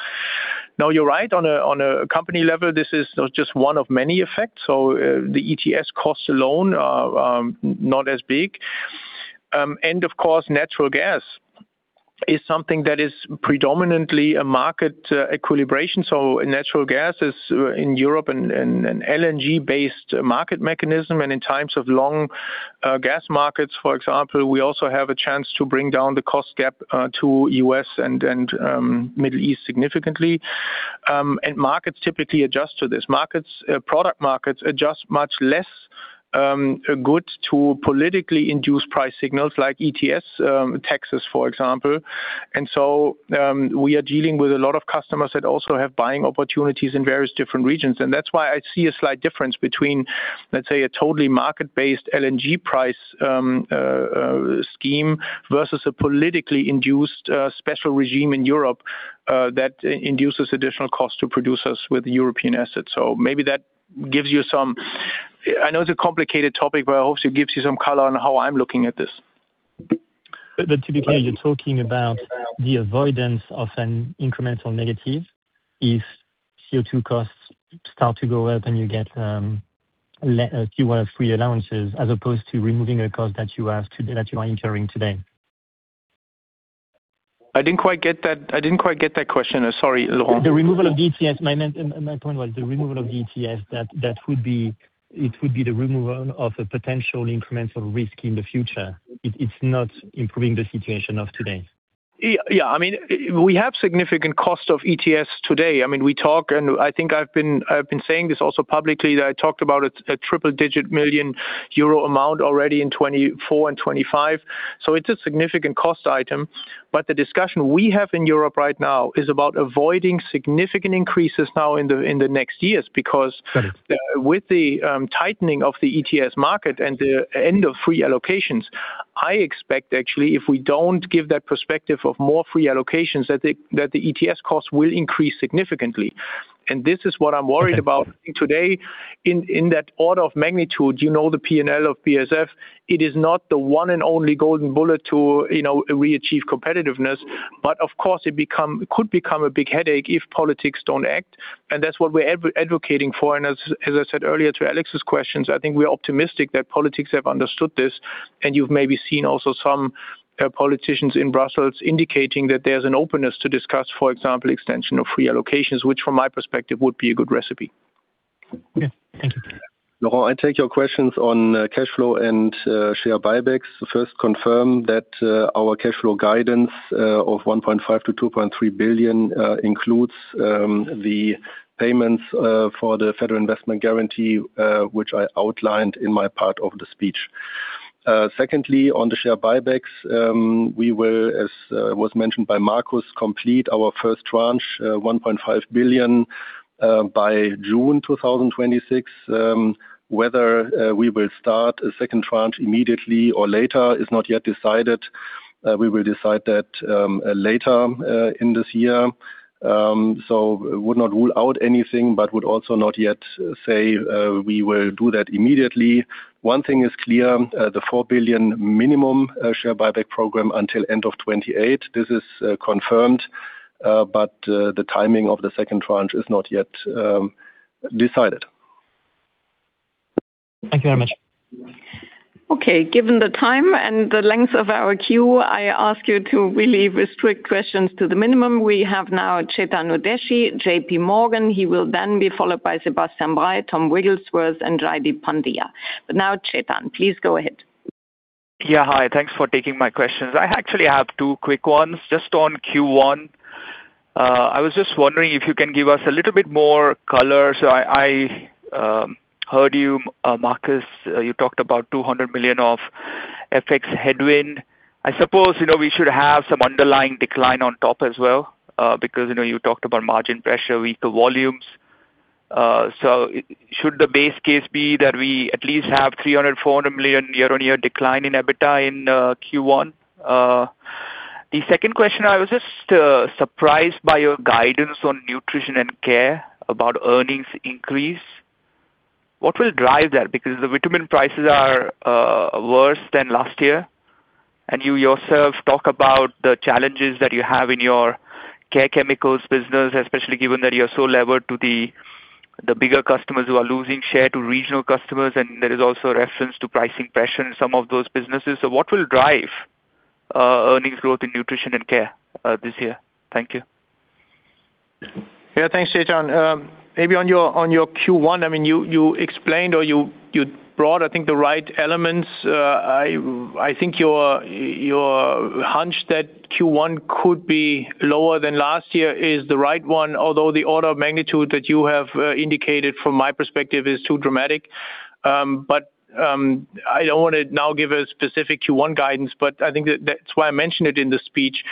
You're right, on a company level, this is just one of many effects, so the ETS costs alone are not as big. Of course, natural gas is something that is predominantly a market equilibration. Natural gas is in Europe, an LNG-based market mechanism, and in times of long gas markets, for example, we also have a chance to bring down the cost gap to U.S. and Middle East significantly. Markets typically adjust to this. Markets, product markets adjust much less good to politically induced price signals like ETS taxes, for example. We are dealing with a lot of customers that also have buying opportunities in various different regions, and that's why I see a slight difference between, let's say, a totally market-based LNG price scheme versus a politically induced special regime in Europe that induces additional cost to producers with European assets. Maybe that gives you some... I know it's a complicated topic, but I hope it gives you some color on how I'm looking at this. Typically, you're talking about the avoidance of an incremental negative if CO2 costs start to go up and you get Q1 free allowances, as opposed to removing a cost that you have today, that you are incurring today. I didn't quite get that question. Sorry, Laurent. The removal of ETS, my main point was the removal of ETS, that would be the removal of a potential incremental risk in the future. It's not improving the situation of today. Yeah, yeah. I mean, we have significant cost of ETS today. I mean, we talk, and I think I've been saying this also publicly, that I talked about a triple digit million EUR amount already in 2024 and 2025. It's a significant cost item, but the discussion we have in Europe right now is about avoiding significant increases now in the next years. Because- Right With the tightening of the ETS market and the end of free allocations, I expect actually, if we don't give that perspective of more free allocations, that the ETS costs will increase significantly. This is what I'm worried about today. In that order of magnitude, you know, the P&L of BASF, it is not the one and only golden bullet to, you know, reachieve competitiveness. Of course, it could become a big headache if politics don't act, and that's what we're advocating for. As I said earlier to Alex's questions, I think we're optimistic that politics have understood this, and you've maybe seen also some politicians in Brussels indicating that there's an openness to discuss, for example, extension of free allocations, which from my perspective, would be a good recipe. Okay, thank you. Laurent, I take your questions on cash flow and share buybacks. First, confirm that our cash flow guidance of 1.5 billion-2.3 billion includes the payments for the Federal Investment Guarantee, which I outlined in my part of the speech. Secondly, on the share buybacks, we will, as was mentioned by Markus, complete our first tranche, 1.5 billion, by June 2026. Whether we will start a second tranche immediately or later is not yet decided. We will decide that later in this year. Would not rule out anything, but would also not yet say we will do that immediately. One thing is clear, the 4 billion minimum share buyback program until end of 2028, this is confirmed, but the timing of the second tranche is not yet decided. Thank you very much. Okay, given the time and the length of our queue, I ask you to really restrict questions to the minimum. We have now Chetan Udeshi, JPMorgan. He will then be followed by Sebastian Bray, Thomas Wrigglesworth, and Jaideep Pandya. Now, Chetan, please go ahead. Yeah, hi. Thanks for taking my questions. I actually have two quick ones. Just on Q1, I was just wondering if you can give us a little bit more color. I heard you, Markus, you talked about 200 million of FX headwind. I suppose, you know, we should have some underlying decline on top as well, because, you know, you talked about margin pressure, weaker volumes. Should the base case be that we at least have 300-400 million year-on-year decline in EBITDA in Q1? The second question, I was just surprised by your guidance on Nutrition & Health and Care Chemicals about earnings increase. What will drive that? The vitamin prices are worse than last year, and you yourself talk about the challenges that you have in your Care Chemicals business, especially given that you're so levered to the bigger customers who are losing share to regional customers, and there is also a reference to pricing pressure in some of those businesses. What will drive earnings growth in nutrition and care this year? Thank you. Yeah, thanks, Chetan. Maybe on your Q1, I mean, you explained or you brought, I think, the right elements. I think your hunch that Q1 could be lower than last year is the right one, although the order of magnitude that you have indicated from my perspective is too dramatic. I don't want to now give a specific Q1 guidance, but I think that's why I mentioned it in the speech.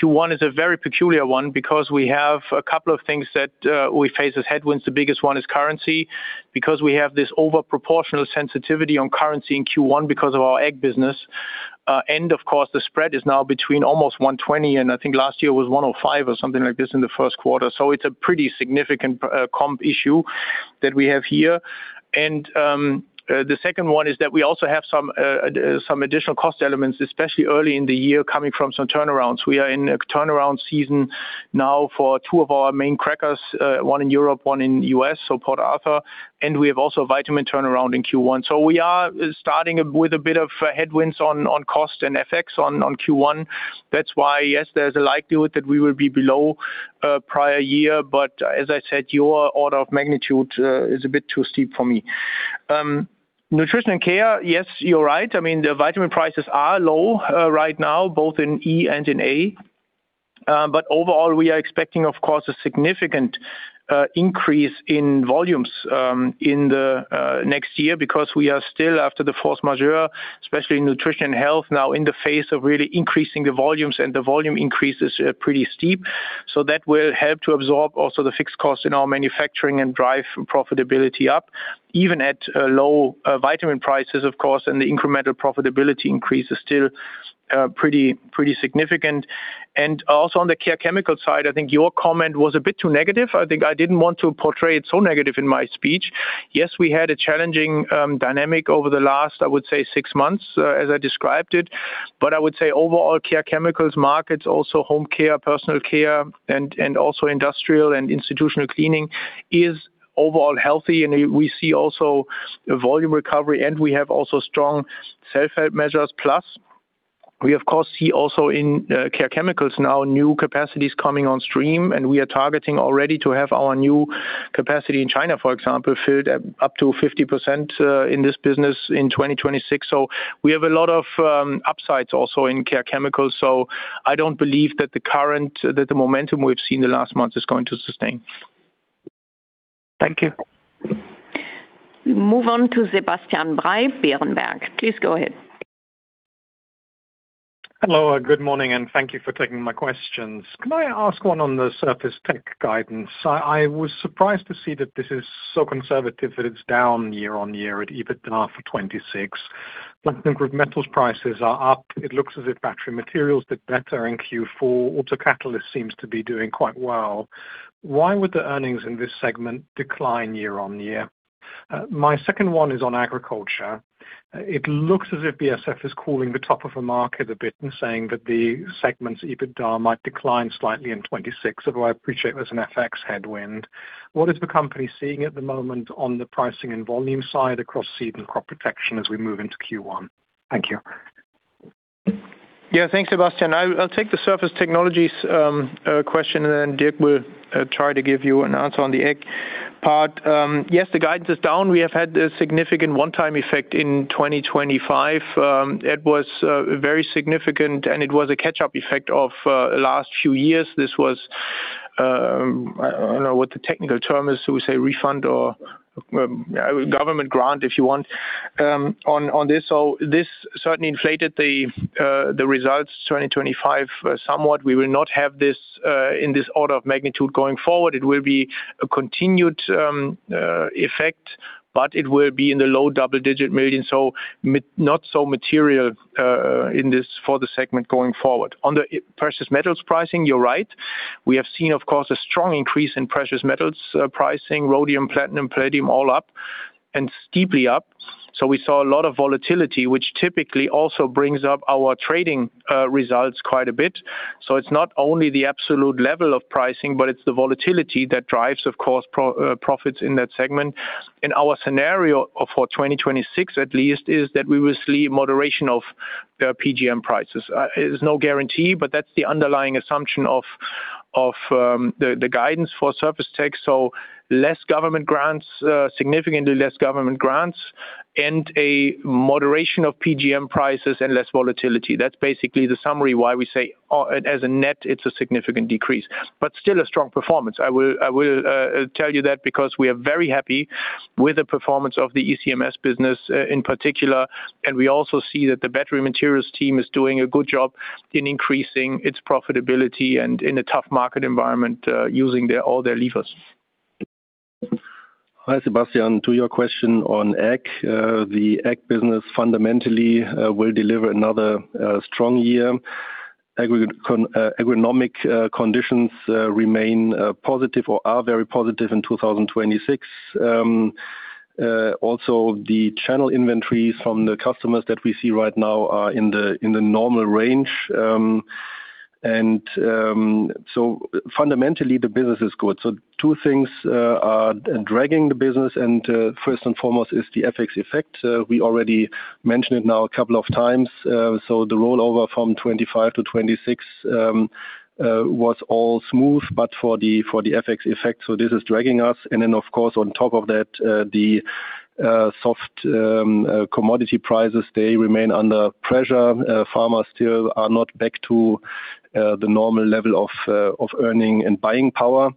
Q1 is a very peculiar one because we have a couple of things that we face as headwinds. The biggest one is currency, because we have this over proportional sensitivity on currency in Q1 because of our egg business. Of course, the spread is now between almost 120, and I think last year was 105 or something like this in the first quarter. It's a pretty significant comp issue that we have here. The second one is that we also have some additional cost elements, especially early in the year, coming from some turnarounds. We are in a turnaround season now for two of our main crackers, one in Europe, one in U.S., so Port Arthur, and we have also a vitamin turnaround in Q1. We are starting with a bit of headwinds on cost and effects on Q1. That's why, yes, there's a likelihood that we will be below prior year, but as I said, your order of magnitude is a bit too steep for me. Nutrition and Care, yes, you're right. I mean, the vitamin prices are low right now, both in E and in A. Overall, we are expecting, of course, a significant increase in volumes in the next year because we are still after the force majeure, especially in Nutrition & Health, now in the phase of really increasing the volumes, and the volume increase is pretty steep. That will help to absorb also the fixed costs in our manufacturing and drive profitability up, even at low vitamin prices, of course, and the incremental profitability increase is still pretty significant. Also on the Care Chemicals side, I think your comment was a bit too negative. I think I didn't want to portray it so negative in my speech. Yes, we had a challenging dynamic over the last, I would say, six months, as I described it. I would say overall Care Chemicals markets, also home care, personal care, and also industrial and institutional cleaning is overall healthy, and we see also a volume recovery, and we have also strong self-help measures. We of course, see also in Care Chemicals now, new capacities coming on stream, and we are targeting already to have our new capacity in China, for example, filled at up to 50% in this business in 2026. We have a lot of upsides also in Care Chemicals, so I don't believe that the momentum we've seen in the last months is going to sustain. Thank you. We move on to Sebastian Bray, Berenberg. Please go ahead. Hello, good morning, thank you for taking my questions. Can I ask one on the surface tech guidance? I was surprised to see that this is so conservative that it's down year-on-year at EBITDA for 2026. I think with metals, prices are up. It looks as if battery materials did better in Q4. Auto catalyst seems to be doing quite well. Why would the earnings in this segment decline year-on-year? My second one is on Agricultural Solutions. It looks as if BASF is calling the top of the market a bit and saying that the segment's EBITDA might decline slightly in 2026, although I appreciate there's an FX headwind. What is the company seeing at the moment on the pricing and volume side across seed and crop protection as we move into Q1? Thank you. Yeah, thanks, Sebastian. I'll take the surface technologies question, and then Dirk will try to give you an answer on the egg part. Yes, the guidance is down. We have had a significant one-time effect in 2025. It was very significant, and it was a catch-up effect of last few years. This was. I don't know what the technical term is, so we say refund or government grant, if you want, on this. This certainly inflated the results 2025 somewhat. We will not have this in this order of magnitude going forward. It will be a continued effect, but it will be in the EUR low double-digit million, so not so material in this for the segment going forward. On the precious metals pricing, you're right. We have seen, of course, a strong increase in precious metals pricing, rhodium, platinum, palladium, all up, and steeply up. We saw a lot of volatility, which typically also brings up our trading results quite a bit. It's not only the absolute level of pricing, but it's the volatility that drives, of course, profits in that segment. In our scenario for 2026 at least, is that we will see moderation of PGM prices. It is no guarantee, but that's the underlying assumption of the guidance for Surface Tech. Less government grants, significantly less government grants and a moderation of PGM prices and less volatility. That's basically the summary why we say, as a net, it's a significant decrease, but still a strong performance. I will tell you that because we are very happy with the performance of the ECMS business in particular, and we also see that the battery materials team is doing a good job in increasing its profitability and in a tough market environment, using all their levers. Hi, Sebastian. To your question on ag, the ag business fundamentally will deliver another strong year. Agronomic conditions remain positive or are very positive in 2026. Also, the channel inventories from the customers that we see right now are in the normal range. Fundamentally, the business is good. Two things are dragging the business, first and foremost is the FX effect. We already mentioned it now a couple of times, the rollover from 25 to 26 was all smooth, but for the FX effect, this is dragging us. Of course, on top of that, the soft commodity prices, they remain under pressure. Farmers still are not back to the normal level of earning and buying power.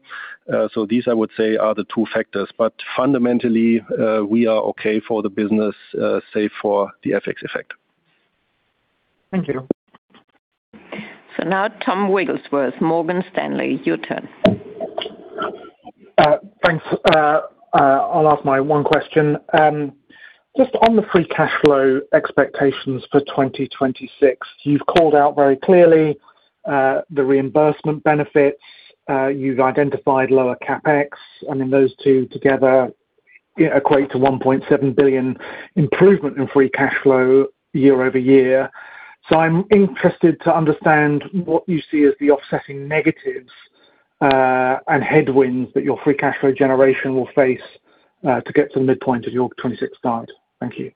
These, I would say, are the two factors, but fundamentally, we are okay for the business, save for the FX effect. Thank you. Now Thomas Wrigglesworth, Morgan Stanley, your turn. Thanks. I'll ask my one question. Just on the free cash flow expectations for 2026, you've called out very clearly the reimbursement benefits, you've identified lower CapEx, I mean, those two together equate to 1.7 billion improvement in free cash flow year-over-year. I'm interested to understand what you see as the offsetting negatives and headwinds that your free cash flow generation will face to get to the midpoint of your 26 guide. Thank you.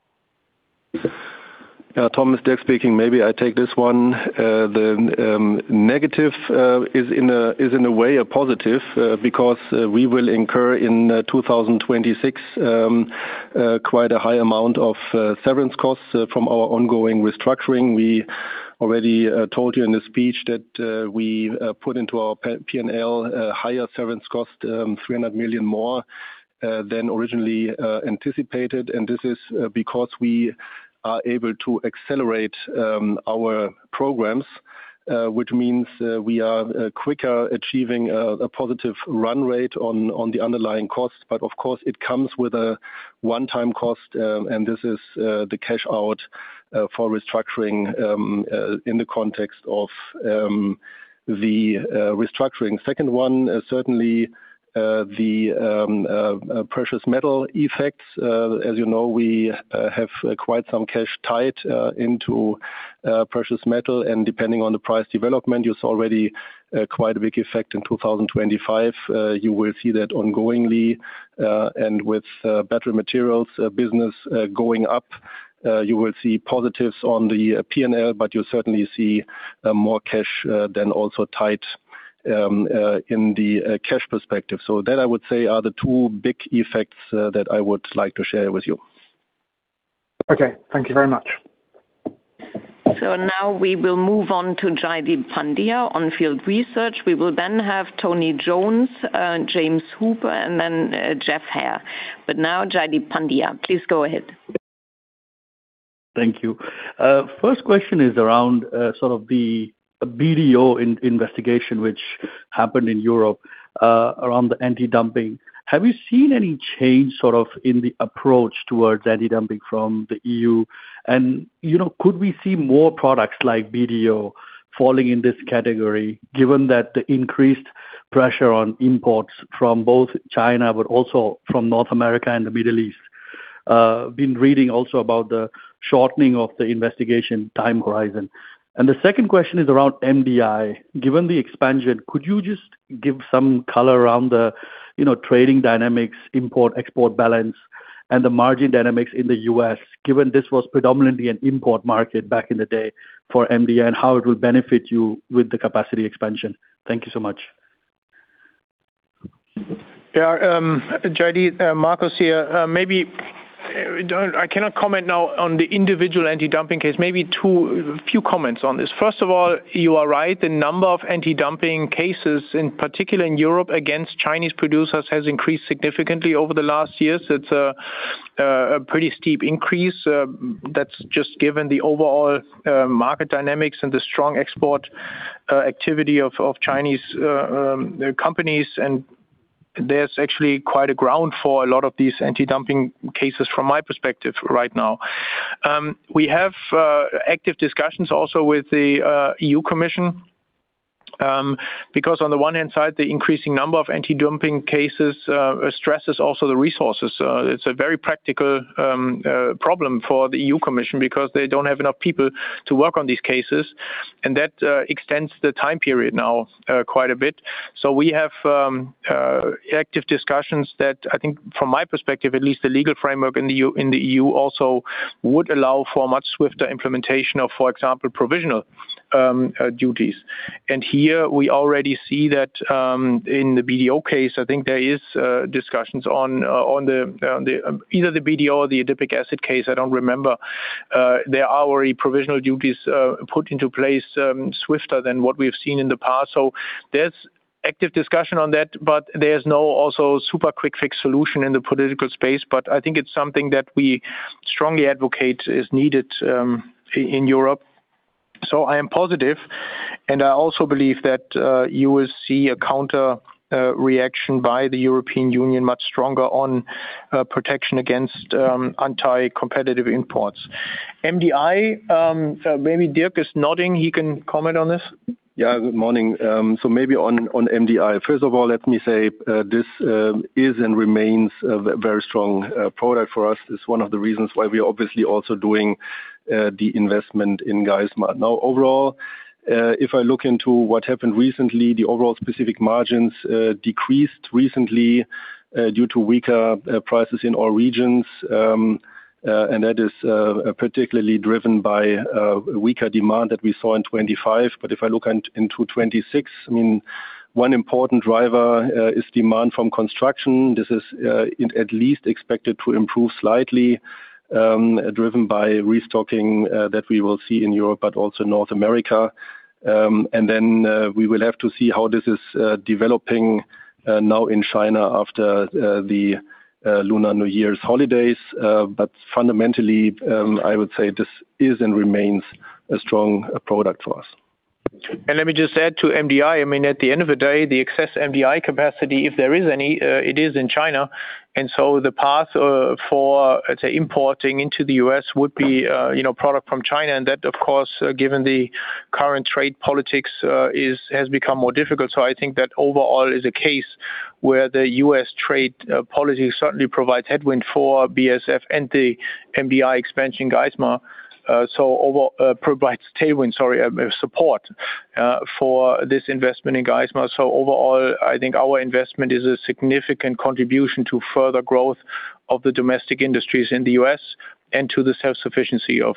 Tom, it's Dirk speaking. Maybe I take this one. The negative is in a way a positive because we will incur in 2026 quite a high amount of severance costs from our ongoing restructuring. We already told you in the speech that we put into our P&L higher severance cost, 300 million more than originally anticipated, this is because we are able to accelerate our programs, which means we are quicker achieving a positive run rate on the underlying costs. Of course, it comes with a one-time cost, and this is the cash out for restructuring in the context of the restructuring. Second one is certainly the precious metal effects. As you know, we have quite some cash tied into precious metal, and depending on the price development, you saw already quite a big effect in 2025. You will see that ongoingly, and with battery materials business going up, you will see positives on the PNL, but you'll certainly see more cash then also tied in the cash perspective. That I would say are the two big effects that I would like to share with you. Okay. Thank you very much. We will move on to Jaideep Pandya On Field Research. We will then have Tony Jones, James Hooper, and then, Geoff Haire. Jaideep Pandya, please go ahead. Thank you. First question is around, sort of the BDO investigation which happened in Europe, around the anti-dumping. Have you seen any change sort of in the approach towards anti-dumping from the EU? Could we see more products like BDO falling in this category, given that the increased pressure on imports from both China, but also from North America and the Middle East? Been reading also about the shortening of the investigation time horizon. The second question is around MDI. Given the expansion, could you just give some color around the, you know, trading dynamics, import/export balance and the margin dynamics in the US, given this was predominantly an import market back in the day for MDI, and how it will benefit you with the capacity expansion? Thank you so much. Yeah, JD Markus here, maybe I cannot comment now on the individual antidumping case. Maybe a few comments on this. First of all, you are right. The number of antidumping cases, in particular in Europe, against Chinese producers, has increased significantly over the last years. It's a pretty steep increase, that's just given the overall market dynamics and the strong export activity of Chinese companies. There's actually quite a ground for a lot of these antidumping cases from my perspective right now. We have active discussions also with the EU Commission, because on the one hand side, the increasing number of antidumping cases, stresses also the resources. It's a very practical problem for the EU Commission because they don't have enough people to work on these cases, and that extends the time period now quite a bit. We have active discussions that I think from my perspective, at least, the legal framework in the EU, also would allow for much swifter implementation of, for example, provisional duties. Here we already see that in the BDO case, I think there is discussions on the either the BDO or the adipic acid case, I don't remember. There are already provisional duties put into place swifter than what we've seen in the past. There's active discussion on that, but there's no also super quick fix solution in the political space. I think it's something that we strongly advocate is needed in Europe. I am positive, and I also believe that you will see a counter reaction by the European Union, much stronger on protection against anti-competitive imports. MDI, maybe Dirk is nodding, he can comment on this. Yeah, good morning. Maybe on MDI. First of all, let me say, this is and remains a very strong product for us. It's one of the reasons why we are obviously also doing the investment in Geismar. Overall, if I look into what happened recently, the overall specific margins decreased recently due to weaker prices in all regions. That is particularly driven by weaker demand that we saw in 2025. If I look into 2026, I mean, one important driver is demand from construction. This is at least expected to improve slightly, driven by restocking that we will see in Europe but also North America. We will have to see how this is developing now in China after the Lunar New Year's holidays. Fundamentally, I would say this is and remains a strong product for us. Let me just add to MDI. I mean, at the end of the day, the excess MDI capacity, if there is any, it is in China. The path for, let's say, importing into the U.S. would be, you know, product from China. That, of course, given the current trade politics, is, has become more difficult. I think that overall is a case where the U.S. trade policy certainly provides headwind for BASF and the MDI expansion Geismar, provides tailwind, sorry, support for this investment in Geismar. Overall, I think our investment is a significant contribution to further growth of the domestic industries in the U.S. and to the self-sufficiency of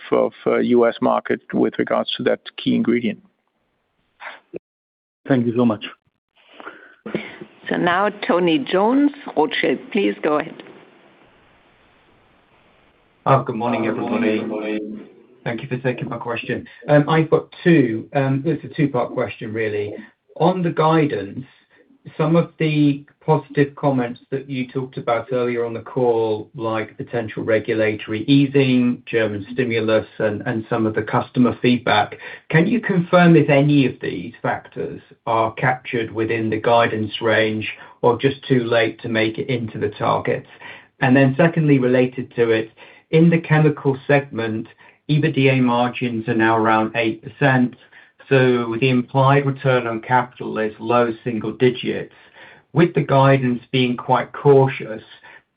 U.S. market with regards to that key ingredient. Thank you so much. Now Tony Jones, Rothschild, please go ahead. Good morning, everybody. Thank you for taking my question. I've got two, it's a two-part question really. On the guidance, some of the positive comments that you talked about earlier on the call, like potential regulatory easing, German stimulus, and some of the customer feedback, can you confirm if any of these factors are captured within the guidance range or just too late to make it into the targets? Secondly, related to it, in the chemical segment, EBITDA margins are now around 8%, so the implied return on capital is low single digits. With the guidance being quite cautious,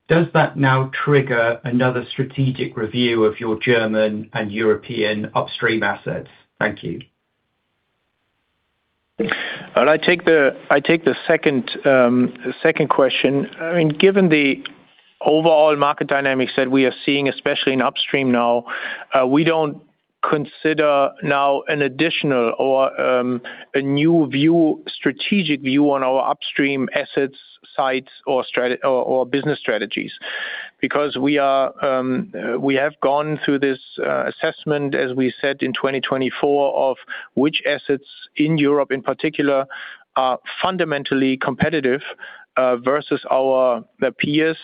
does that now trigger another strategic review of your German and European upstream assets? Thank you. Well, I take the second question. I mean, given the overall market dynamics that we are seeing, especially in upstream now, we don't consider now an additional or a new view, strategic view on our upstream assets, sites, or business strategies. We are, we have gone through this assessment, as we said, in 2024, of which assets in Europe in particular, are fundamentally competitive versus our peers.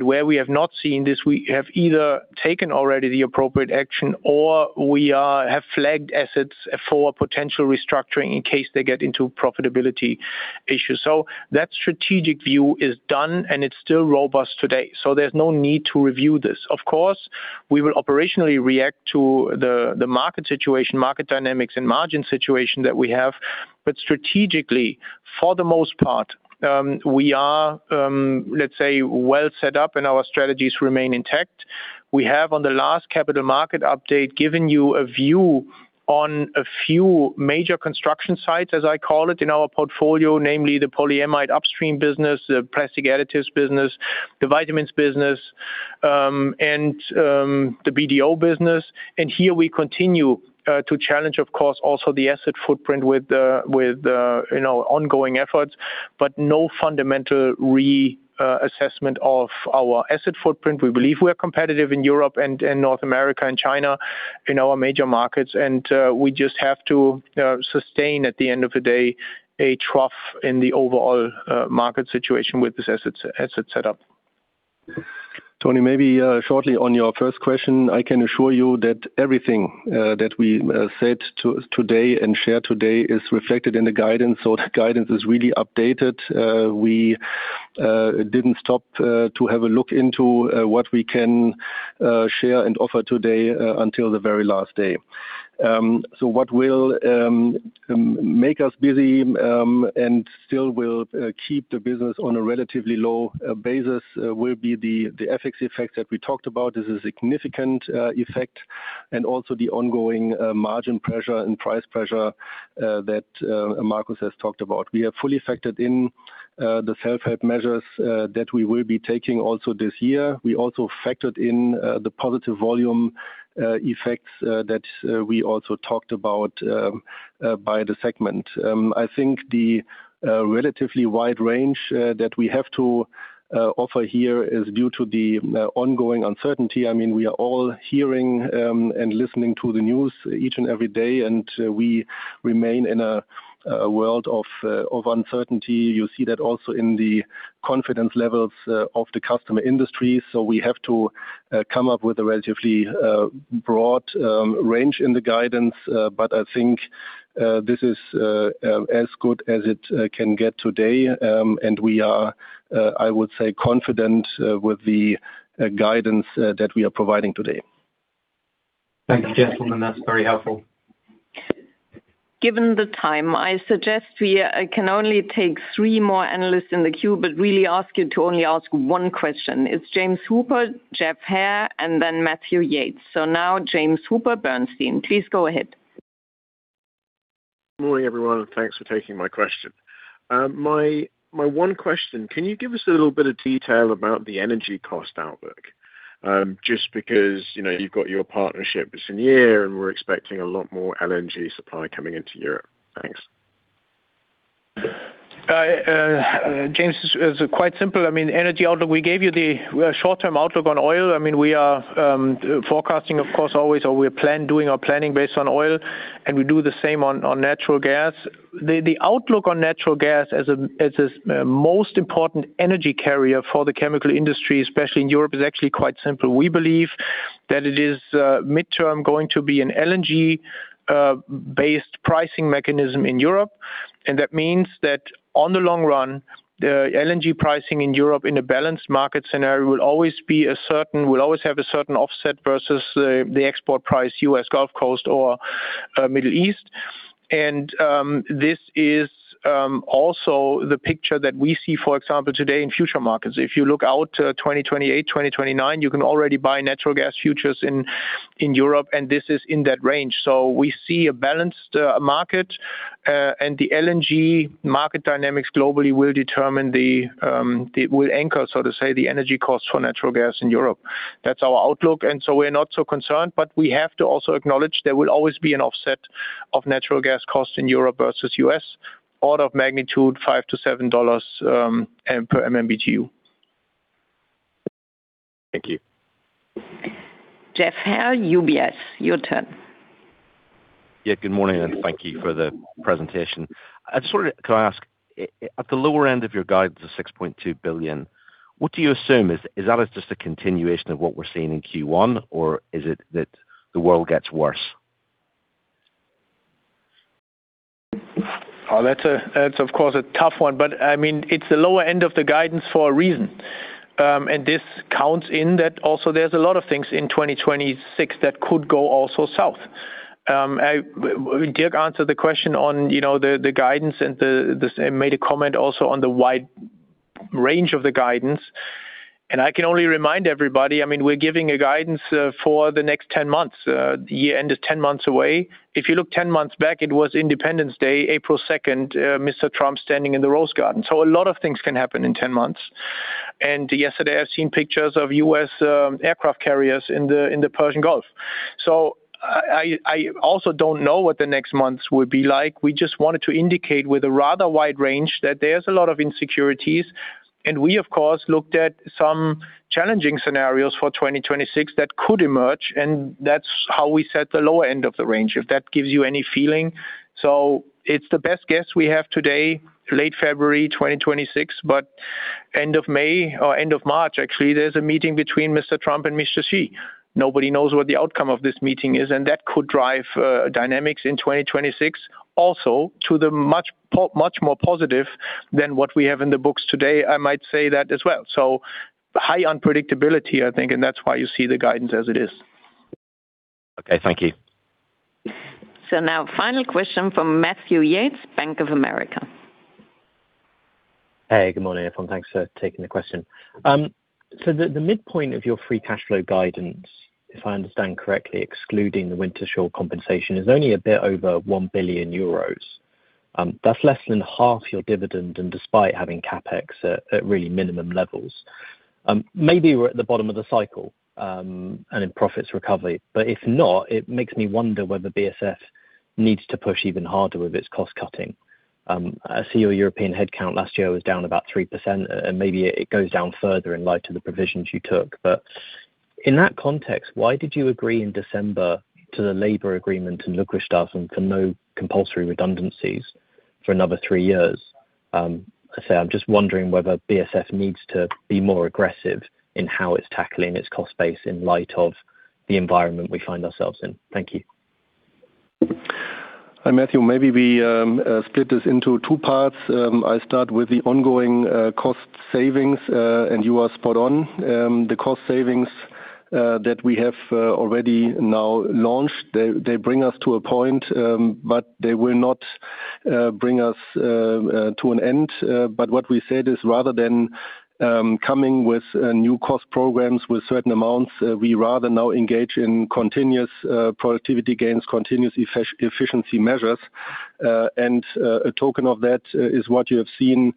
Where we have not seen this, we have either taken already the appropriate action, or we have flagged assets for potential restructuring in case they get into profitability issues. That strategic view is done, and it's still robust today, so there's no need to review this. Of course, we will operationally react to the market situation, market dynamics, and margin situation that we have. Strategically, for the most part, we are, let's say, well set up and our strategies remain intact. We have, on the last capital market update, given you a view on a few major construction sites, as I call it, in our portfolio, namely the polyamide upstream business, the plastic additives business, the vitamins business. The BDO business, and here we continue to challenge, of course, also the asset footprint with the, you know, ongoing efforts, but no fundamental reassessment of our asset footprint. We believe we are competitive in Europe and North America and China, in our major markets, and we just have to sustain, at the end of the day, a trough in the overall market situation with this asset set up. Tony, maybe, shortly on your first question, I can assure you that everything that we said today and share today is reflected in the guidance. The guidance is really updated. We didn't stop to have a look into what we can share and offer today until the very last day. What will make us busy and still will keep the business on a relatively low basis will be the FX effect that we talked about. This is a significant effect, and also the ongoing margin pressure and price pressure that Markus has talked about. We have fully factored in the self-help measures that we will be taking also this year. We also factored in the positive volume effects that we also talked about by the segment. I think the relatively wide range that we have to offer here is due to the ongoing uncertainty. I mean, we are all hearing and listening to the news each and every day, and we remain in a world of uncertainty. You see that also in the confidence levels of the customer industry. We have to come up with a relatively broad range in the guidance, but I think this is as good as it can get today. We are, I would say, confident with the guidance that we are providing today. Thank you, gentlemen. That's very helpful. Given the time, I suggest we can only take three more analysts in the queue. Really ask you to only ask one question. It's James Hooper, Geoff Haire, and then Matthew Yates. Now James Hooper, Bernstein, please go ahead. Good morning, everyone. Thanks for taking my question. My one question: Can you give us a little bit of detail about the energy cost outlook? Just because, you know, you've got your partnership with Sinopec, we're expecting a lot more L&G supply coming into Europe. Thanks. James, it's quite simple. I mean, energy outlook, we gave you the short-term outlook on oil. I mean, we are forecasting, of course, always, or we're doing our planning based on oil, we do the same on natural gas. The outlook on natural gas as a most important energy carrier for the chemical industry, especially in Europe, is actually quite simple. We believe that it is midterm going to be an L&G based pricing mechanism in Europe, that means that on the long run, the L&G pricing in Europe, in a balanced market scenario, will always have a certain offset versus the export price, U.S. Gulf Coast or Middle East. This is also the picture that we see, for example, today in future markets. If you look out to 2028, 2029, you can already buy natural gas futures in Europe, and this is in that range. We see a balanced market, and the LNG market dynamics globally will determine Will anchor, so to say, the energy costs for natural gas in Europe. That's our outlook. We're not so concerned, but we have to also acknowledge there will always be an offset of natural gas costs in Europe versus U.S., order of magnitude $5-$7, and per MMBtu. Thank you. Geoff Haire, UBS, your turn. Yeah, good morning, and thank you for the presentation. I just wondered, can I ask, at the lower end of your guidance of 6.2 billion, what do you assume? Is that just a continuation of what we're seeing in Q1, or is it that the world gets worse? That's of course, a tough one, but, I mean, it's the lower end of the guidance for a reason. This counts in that also there's a lot of things in 2026 that could go also south. Dirk answered the question on, you know, the guidance and the. He made a comment also on the wide range of the guidance. I can only remind everybody, I mean, we're giving a guidance for the next 10 months. The year end is 10 months away. If you look 10 months back, it was Independence Day, April 2nd, Mr. Trump standing in the Rose Garden. A lot of things can happen in 10 months. Yesterday, I've seen pictures of U.S. aircraft carriers in the Persian Gulf. I also don't know what the next months will be like. We just wanted to indicate with a rather wide range that there's a lot of insecurities, and we, of course, looked at some challenging scenarios for 2026 that could emerge, and that's how we set the lower end of the range, if that gives you any feeling. It's the best guess we have today, late February 2026, but end of May or end of March, actually, there's a meeting between Mr. Trump and Mr. Xi. Nobody knows what the outcome of this meeting is, and that could drive dynamics in 2026 also to the much more positive than what we have in the books today. I might say that as well. High unpredictability, I think, and that's why you see the guidance as it is. Okay, thank you. Now final question from Matthew Yates, Bank of America. Hey, good morning, everyone. Thanks for taking the question. The midpoint of your free cash flow guidance, if I understand correctly, excluding the Wintershall compensation, is only a bit over 1 billion euros. That's less than half your dividend, despite having CapEx at really minimum levels. Maybe we're at the bottom of the cycle, and in profits recovery, but if not, it makes me wonder whether BASF needs to push even harder with its cost cutting. I see your European headcount last year was down about 3%, and maybe it goes down further in light of the provisions you took. In that context, why did you agree in December to the labor agreement in Ludwigshafen for no compulsory redundancies for another three years? I'm just wondering whether BASF needs to be more aggressive in how it's tackling its cost base in light of the environment we find ourselves in. Thank you. Hi, Matthew. Maybe we split this into two parts. I'll start with the ongoing cost savings, and you are spot on. The cost savings that we have already now launched, they bring us to a point, but they will not bring us to an end. What we said is, rather than coming with new cost programs with certain amounts, we rather now engage in continuous productivity gains, continuous efficiency measures. A token of that is what you have seen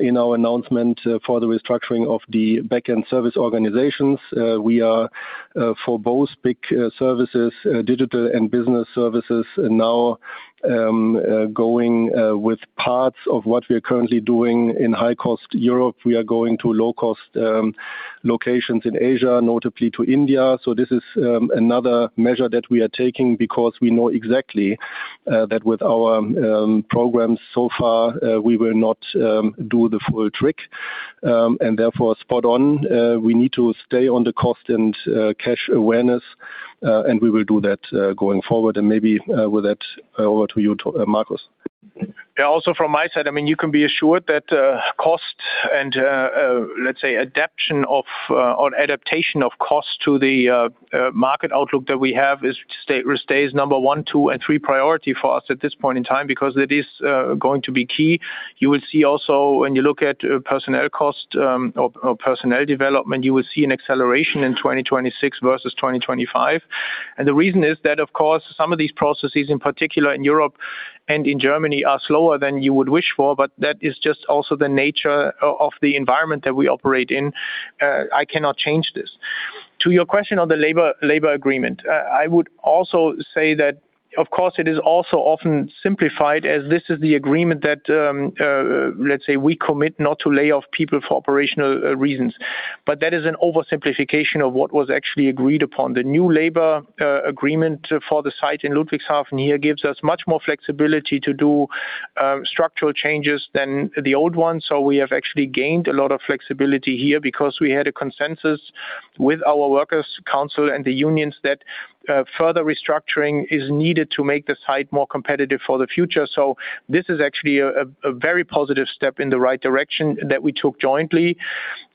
in our announcement for the restructuring of the back-end service organizations. We are for both big services, digital and business services, and now going with parts of what we are currently doing in high-cost Europe, we are going to low-cost locations in Asia, notably to India. This is another measure that we are taking because we know exactly that with our programs so far, we will not do the full trick. Therefore, spot on, we need to stay on the cost and cash awareness, and we will do that going forward. Maybe, with that, over to you to Markus. Yeah, also from my side, I mean, you can be assured that cost and let's say adaptation of cost to the market outlook that we have stays number one, two, and three priority for us at this point in time, because it is going to be key. You will see also, when you look at personnel cost or personnel development, you will see an acceleration in 2026 versus 2025. The reason is that, of course, some of these processes, in particular in Europe and in Germany, are slower than you would wish for, but that is just also the nature of the environment that we operate in. I cannot change this. To your question on the labor agreement, I would also say that, of course, it is also often simplified as this is the agreement that, let's say we commit not to lay off people for operational reasons. That is an oversimplification of what was actually agreed upon. The new labor agreement for the site in Ludwigshafen here gives us much more flexibility to do structural changes than the old one. We have actually gained a lot of flexibility here because we had a consensus with our workers council and the unions that further restructuring is needed to make the site more competitive for the future. This is actually a very positive step in the right direction that we took jointly.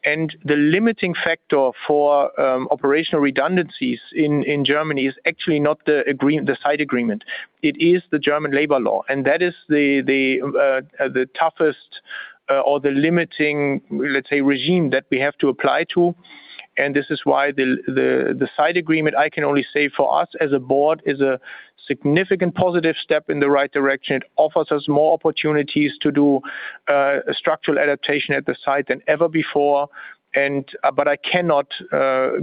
The limiting factor for operational redundancies in Germany is actually not the site agreement. It is the German labor law, that is the toughest or the limiting, let's say, regime that we have to apply to. This is why the site agreement, I can only say for us as a board, is a significant positive step in the right direction. It offers us more opportunities to do structural adaptation at the site than ever before, but I cannot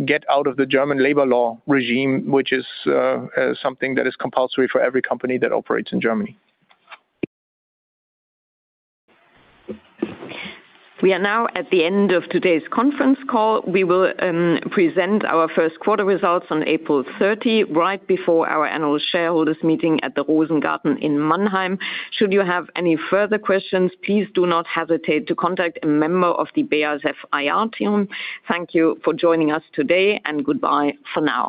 get out of the German labor law regime, which is something that is compulsory for every company that operates in Germany. We are now at the end of today's conference call. We will present our first quarter results on April 30, right before our annual shareholders meeting at the Rosengarten in Mannheim. Should you have any further questions, please do not hesitate to contact a member of the BASF IR team. Thank you for joining us today, goodbye for now.